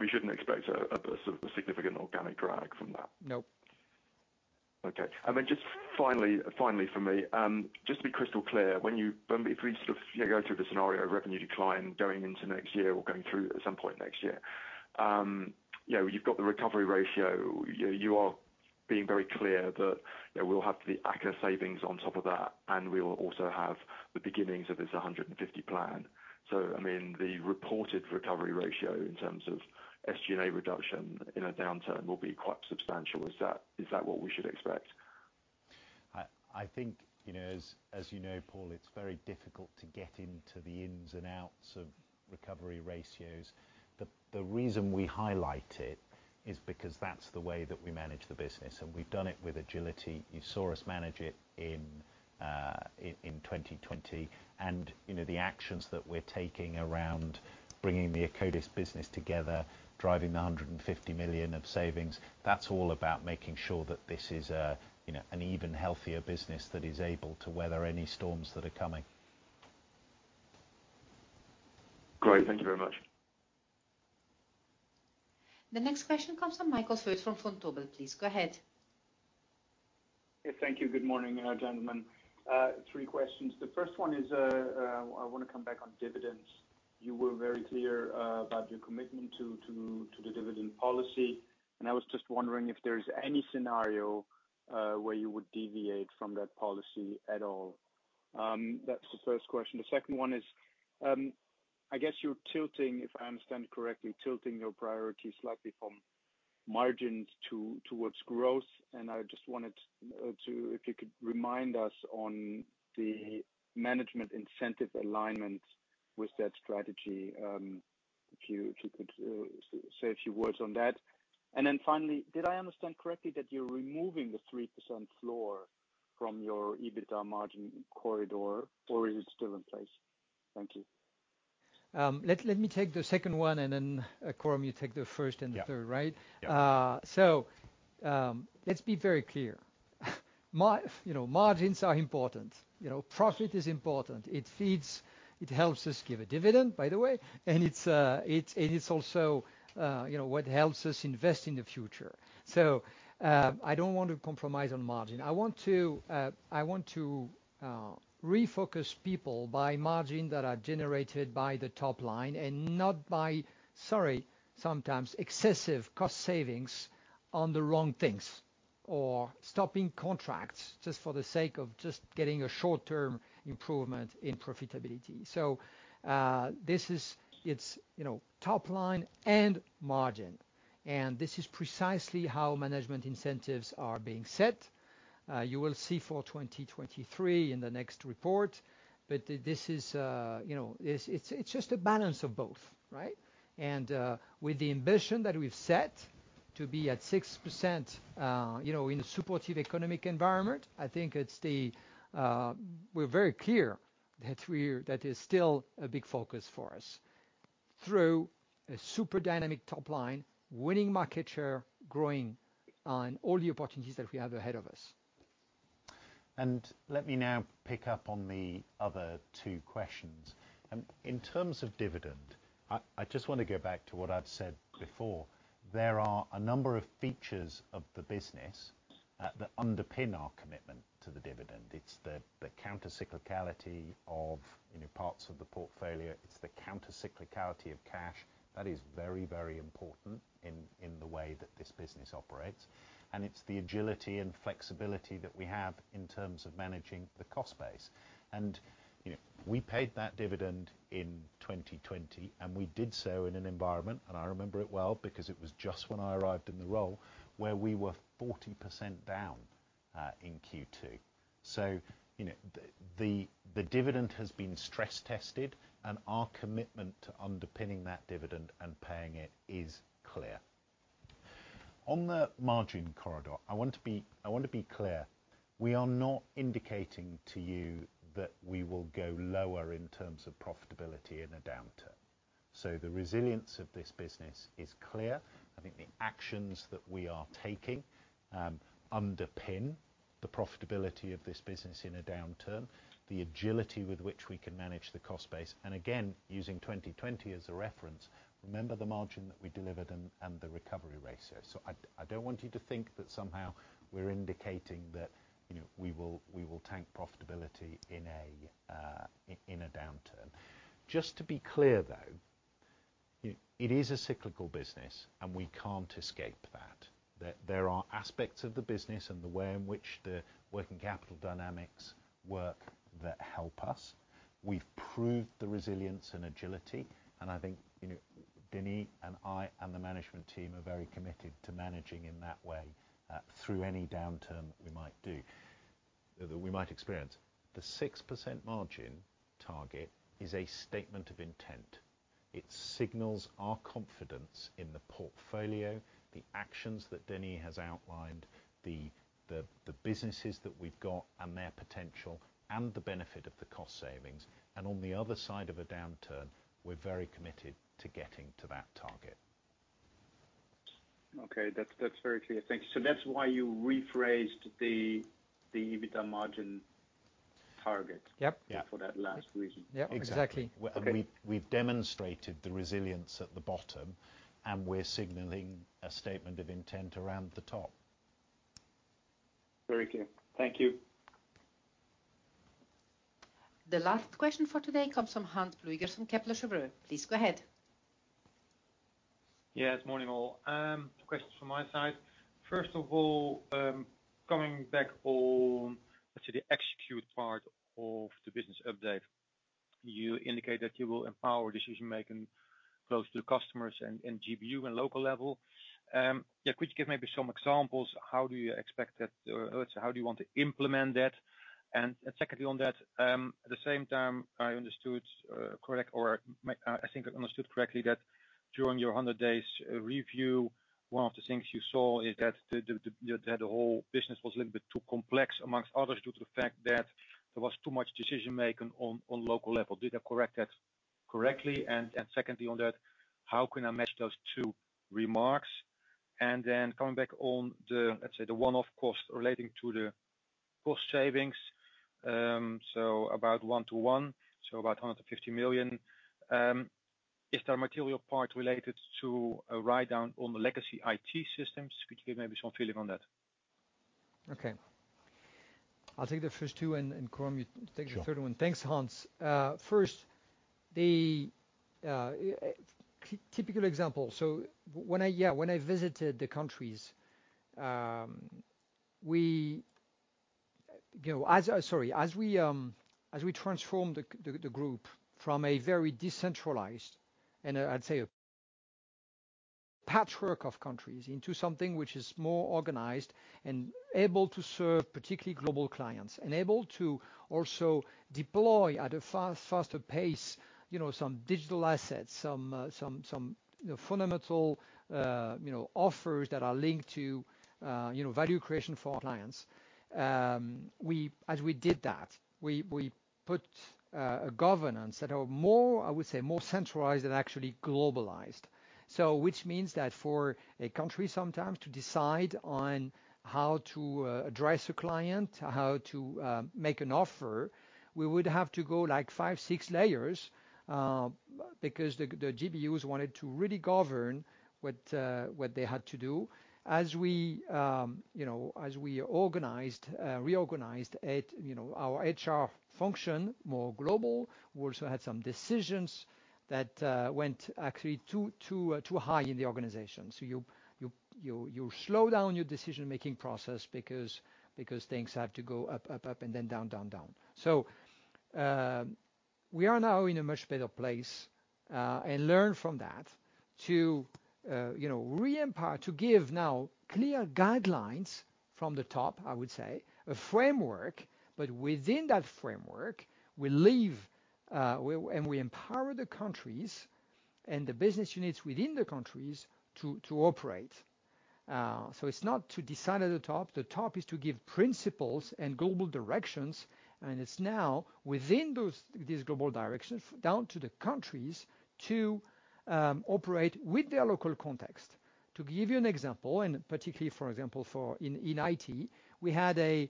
Speaker 10: We shouldn't expect a sort of a significant organic drag from that?
Speaker 2: Nope.
Speaker 10: Just finally for me, just to be crystal clear, if we sort of, you know, go through the scenario of revenue decline going into next year or going through at some point next year, you know, you've got the recovery ratio. You are being very clear that, you know, we'll have the AKKA savings on top of that, and we will also have the beginnings of this 150 million plan. So I mean, the reported recovery ratio in terms of SG&A reduction in a downturn will be quite substantial. Is that what we should expect?
Speaker 3: I think, you know, as you know, Paul, it's very difficult to get into the ins and outs of recovery ratios. The reason we highlight it is because that's the way that we manage the business, and we've done it with agility. You saw us manage it in 2020. You know, the actions that we're taking around bringing the Akkodis business together, driving 150 million of savings, that's all about making sure that this is a, you know, an even healthier business that is able to weather any storms that are coming.
Speaker 10: Great. Thank you very much.
Speaker 4: The next question comes from Michael Foeth from Vontobel. Please go ahead.
Speaker 11: Yeah, thank you. Good morning, gentlemen. Three questions. The first one is, I wanna come back on dividends. You were very clear about your commitment to the dividend policy, and I was just wondering if there is any scenario where you would deviate from that policy at all. That's the first question. The second one is, I guess you're tilting, if I understand correctly, your priority slightly from margins toward growth, and I just wanted to if you could remind us on the management incentive alignment with that strategy, if you could say a few words on that. Finally, did I understand correctly that you're removing the 3% floor from your EBITDA margin corridor, or is it still in place? Thank you.
Speaker 2: Let me take the second one, and then, Coram, you take the first and the third, right?
Speaker 3: Yeah.
Speaker 2: Let's be very clear. You know, margins are important. You know, profit is important. It helps us give a dividend, by the way, and it's also, you know, what helps us invest in the future. I don't want to compromise on margin. I want to refocus people on margins that are generated by the top line and not by, sorry, sometimes excessive cost savings on the wrong things or stopping contracts just for the sake of just getting a short-term improvement in profitability. This is, you know, top line and margin. This is precisely how management incentives are being set. You will see for 2023 in the next report, but this is, you know, it's just a balance of both, right? With the ambition that we've set to be at 6%, you know, in a supportive economic environment, we're very clear that that is still a big focus for us through a super dynamic top line, winning market share, growing on all the opportunities that we have ahead of us.
Speaker 3: Let me now pick up on the other two questions. In terms of dividend, I just wanna go back to what I've said before. There are a number of features of the business that underpin our commitment to the dividend. It's the countercyclicality of, you know, parts of the portfolio. It's the countercyclicality of cash. That is very, very important in the way that this business operates. It's the agility and flexibility that we have in terms of managing the cost base. You know, we paid that dividend in 2020, and we did so in an environment, and I remember it well because it was just when I arrived in the role, where we were 40% down in Q2. You know, the dividend has been stress tested, and our commitment to underpinning that dividend and paying it is clear. On the margin corridor, I want to be clear, we are not indicating to you that we will go lower in terms of profitability in a downturn. The resilience of this business is clear. I think the actions that we are taking underpin the profitability of this business in a downturn, the agility with which we can manage the cost base. Again, using 2020 as a reference, remember the margin that we delivered and the recovery ratio. I don't want you to think that somehow we're indicating that, you know, we will tank profitability in a downturn. Just to be clear, though, it is a cyclical business, and we can't escape that. There are aspects of the business and the way in which the working capital dynamics work that help us. We've proved the resilience and agility, and I think, you know, Denis and I and the management team are very committed to managing in that way through any downturn that we might face, or that we might experience. The 6% margin target is a statement of intent. It signals our confidence in the portfolio, the actions that Denis has outlined, the businesses that we've got and their potential, and the benefit of the cost savings. On the other side of a downturn, we're very committed to getting to that target.
Speaker 11: Okay. That's very clear. Thank you. That's why you rephrased the EBITDA margin target.
Speaker 2: Yep.
Speaker 3: Yeah.
Speaker 12: For that last reason.
Speaker 2: Yep, exactly.
Speaker 3: Exactly.
Speaker 11: Okay.
Speaker 3: We've demonstrated the resilience at the bottom, and we're signaling a statement of intent around the top.
Speaker 11: Very clear. Thank you.
Speaker 4: The last question for today comes from Hans Pluijgers from Kepler Cheuvreux. Please go ahead.
Speaker 12: Morning, all. Two questions from my side. First of all, coming back on, let's say, the execution part of the business update. You indicate that you will empower decision-making close to the customers and GBU and local level. Could you give maybe some examples? How do you expect that or how do you want to implement that? Secondly on that, at the same time, I think I understood correctly that during your 100 days review, one of the things you saw is that the whole business was a little bit too complex among others due to the fact that there was too much decision-making on local level. Did I get that correctly? Secondly on that, how can I match those two remarks? Coming back on the, let's say, the one-off cost relating to the cost savings, so about 121 million, so about 150 million. Is there a material part related to a write-down on the legacy IT systems? Could you give maybe some feeling on that?
Speaker 2: Okay. I'll take the first two and Coram, you take the third one.
Speaker 3: Sure.
Speaker 2: Thanks, Hans. First, the typical example. When I visited the countries, we, you know, as we transform the group from a very decentralized, and I'd say a patchwork of countries into something which is more organized and able to serve particularly global clients, and able to also deploy at a faster pace, you know, some digital assets, some fundamental, you know, offers that are linked to, you know, value creation for our clients. As we did that, we put a governance that are more, I would say, more centralized and actually globalized. Which means that for a country sometimes to decide on how to address a client, how to make an offer, we would have to go like five, six layers, because the GBUs wanted to really govern what they had to do. As we reorganized it, you know, our HR function more global, we also had some decisions that went actually too high in the organization. you slow down your decision-making process because things have to go up and then down. We are now in a much better place and learn from that to, you know, re-empower, to give now clear guidelines from the top, I would say, a framework, but within that framework, we leave and we empower the countries and the business units within the countries to operate. It's not to decide at the top. The top is to give principles and global directions, and it's now within these global directions down to the countries to operate with their local context. To give you an example, and particularly, for example, in IT, we had, you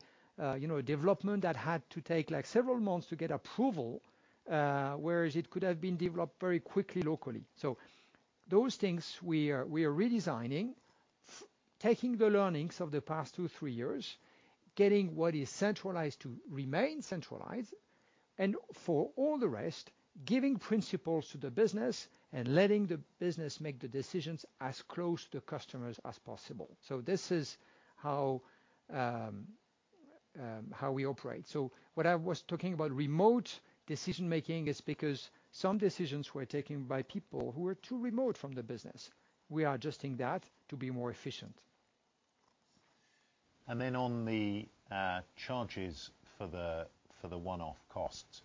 Speaker 2: know, a development that had to take like several months to get approval, whereas it could have been developed very quickly locally. Those things we are redesigning, taking the learnings of the past two, three years, getting what is centralized to remain centralized, and for all the rest, giving principles to the business and letting the business make the decisions as close to customers as possible. This is how we operate. What I was talking about remote decision-making is because some decisions were taken by people who were too remote from the business. We are adjusting that to be more efficient.
Speaker 3: Then on the charges for the one-off costs,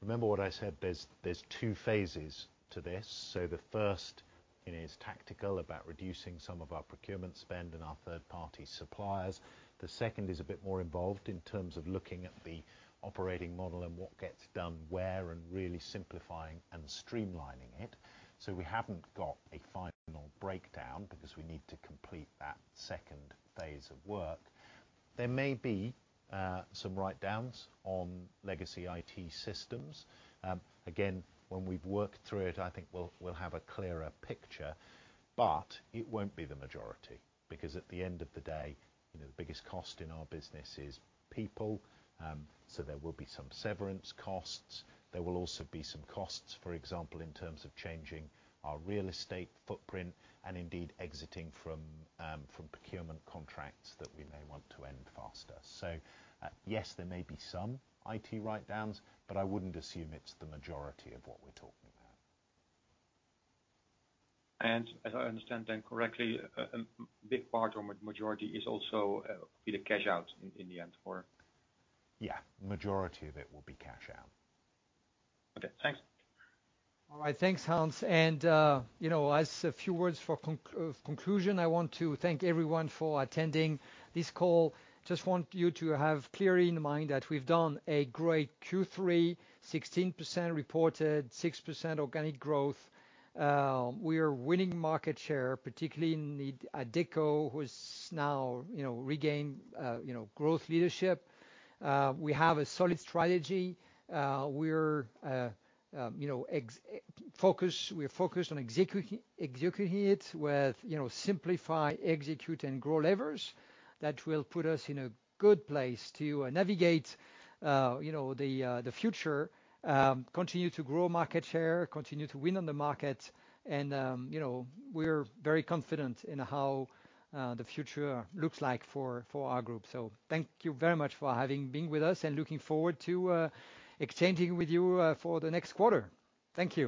Speaker 3: remember what I said, there's two phases to this. The first is tactical, about reducing some of our procurement spend and our third-party suppliers. The second is a bit more involved in terms of looking at the operating model and what gets done where and really simplifying and streamlining it. We haven't got a final breakdown because we need to complete that second phase of work. There may be some write-downs on legacy IT systems. Again, when we've worked through it, I think we'll have a clearer picture. It won't be the majority, because at the end of the day, you know, the biggest cost in our business is people. There will be some severance costs. There will also be some costs, for example, in terms of changing our real estate footprint and indeed exiting from procurement contracts that we may want to end faster. Yes, there may be some IT write-downs, but I wouldn't assume it's the majority of what we're talking about.
Speaker 12: As I understand it correctly, a big part or majority is also to be cashed out in the end for-
Speaker 3: Yeah, majority of it will be cash out.
Speaker 12: Okay, thanks.
Speaker 2: All right. Thanks, Hans. As a few words for conclusion, I want to thank everyone for attending this call. Just want you to have clearly in mind that we've done a great Q3, 16% reported, 6% organic growth. We are winning market share, particularly in the Adecco, who's now, you know, regained growth leadership. We have a solid strategy. We're focused on executing it with, you know, simplify, execute, and grow levers that will put us in a good place to navigate the future, continue to grow market share, continue to win on the market, and, you know, we're very confident in how the future looks like for our group. Thank you very much for having been with us and looking forward to exchanging with you for the next quarter. Thank you.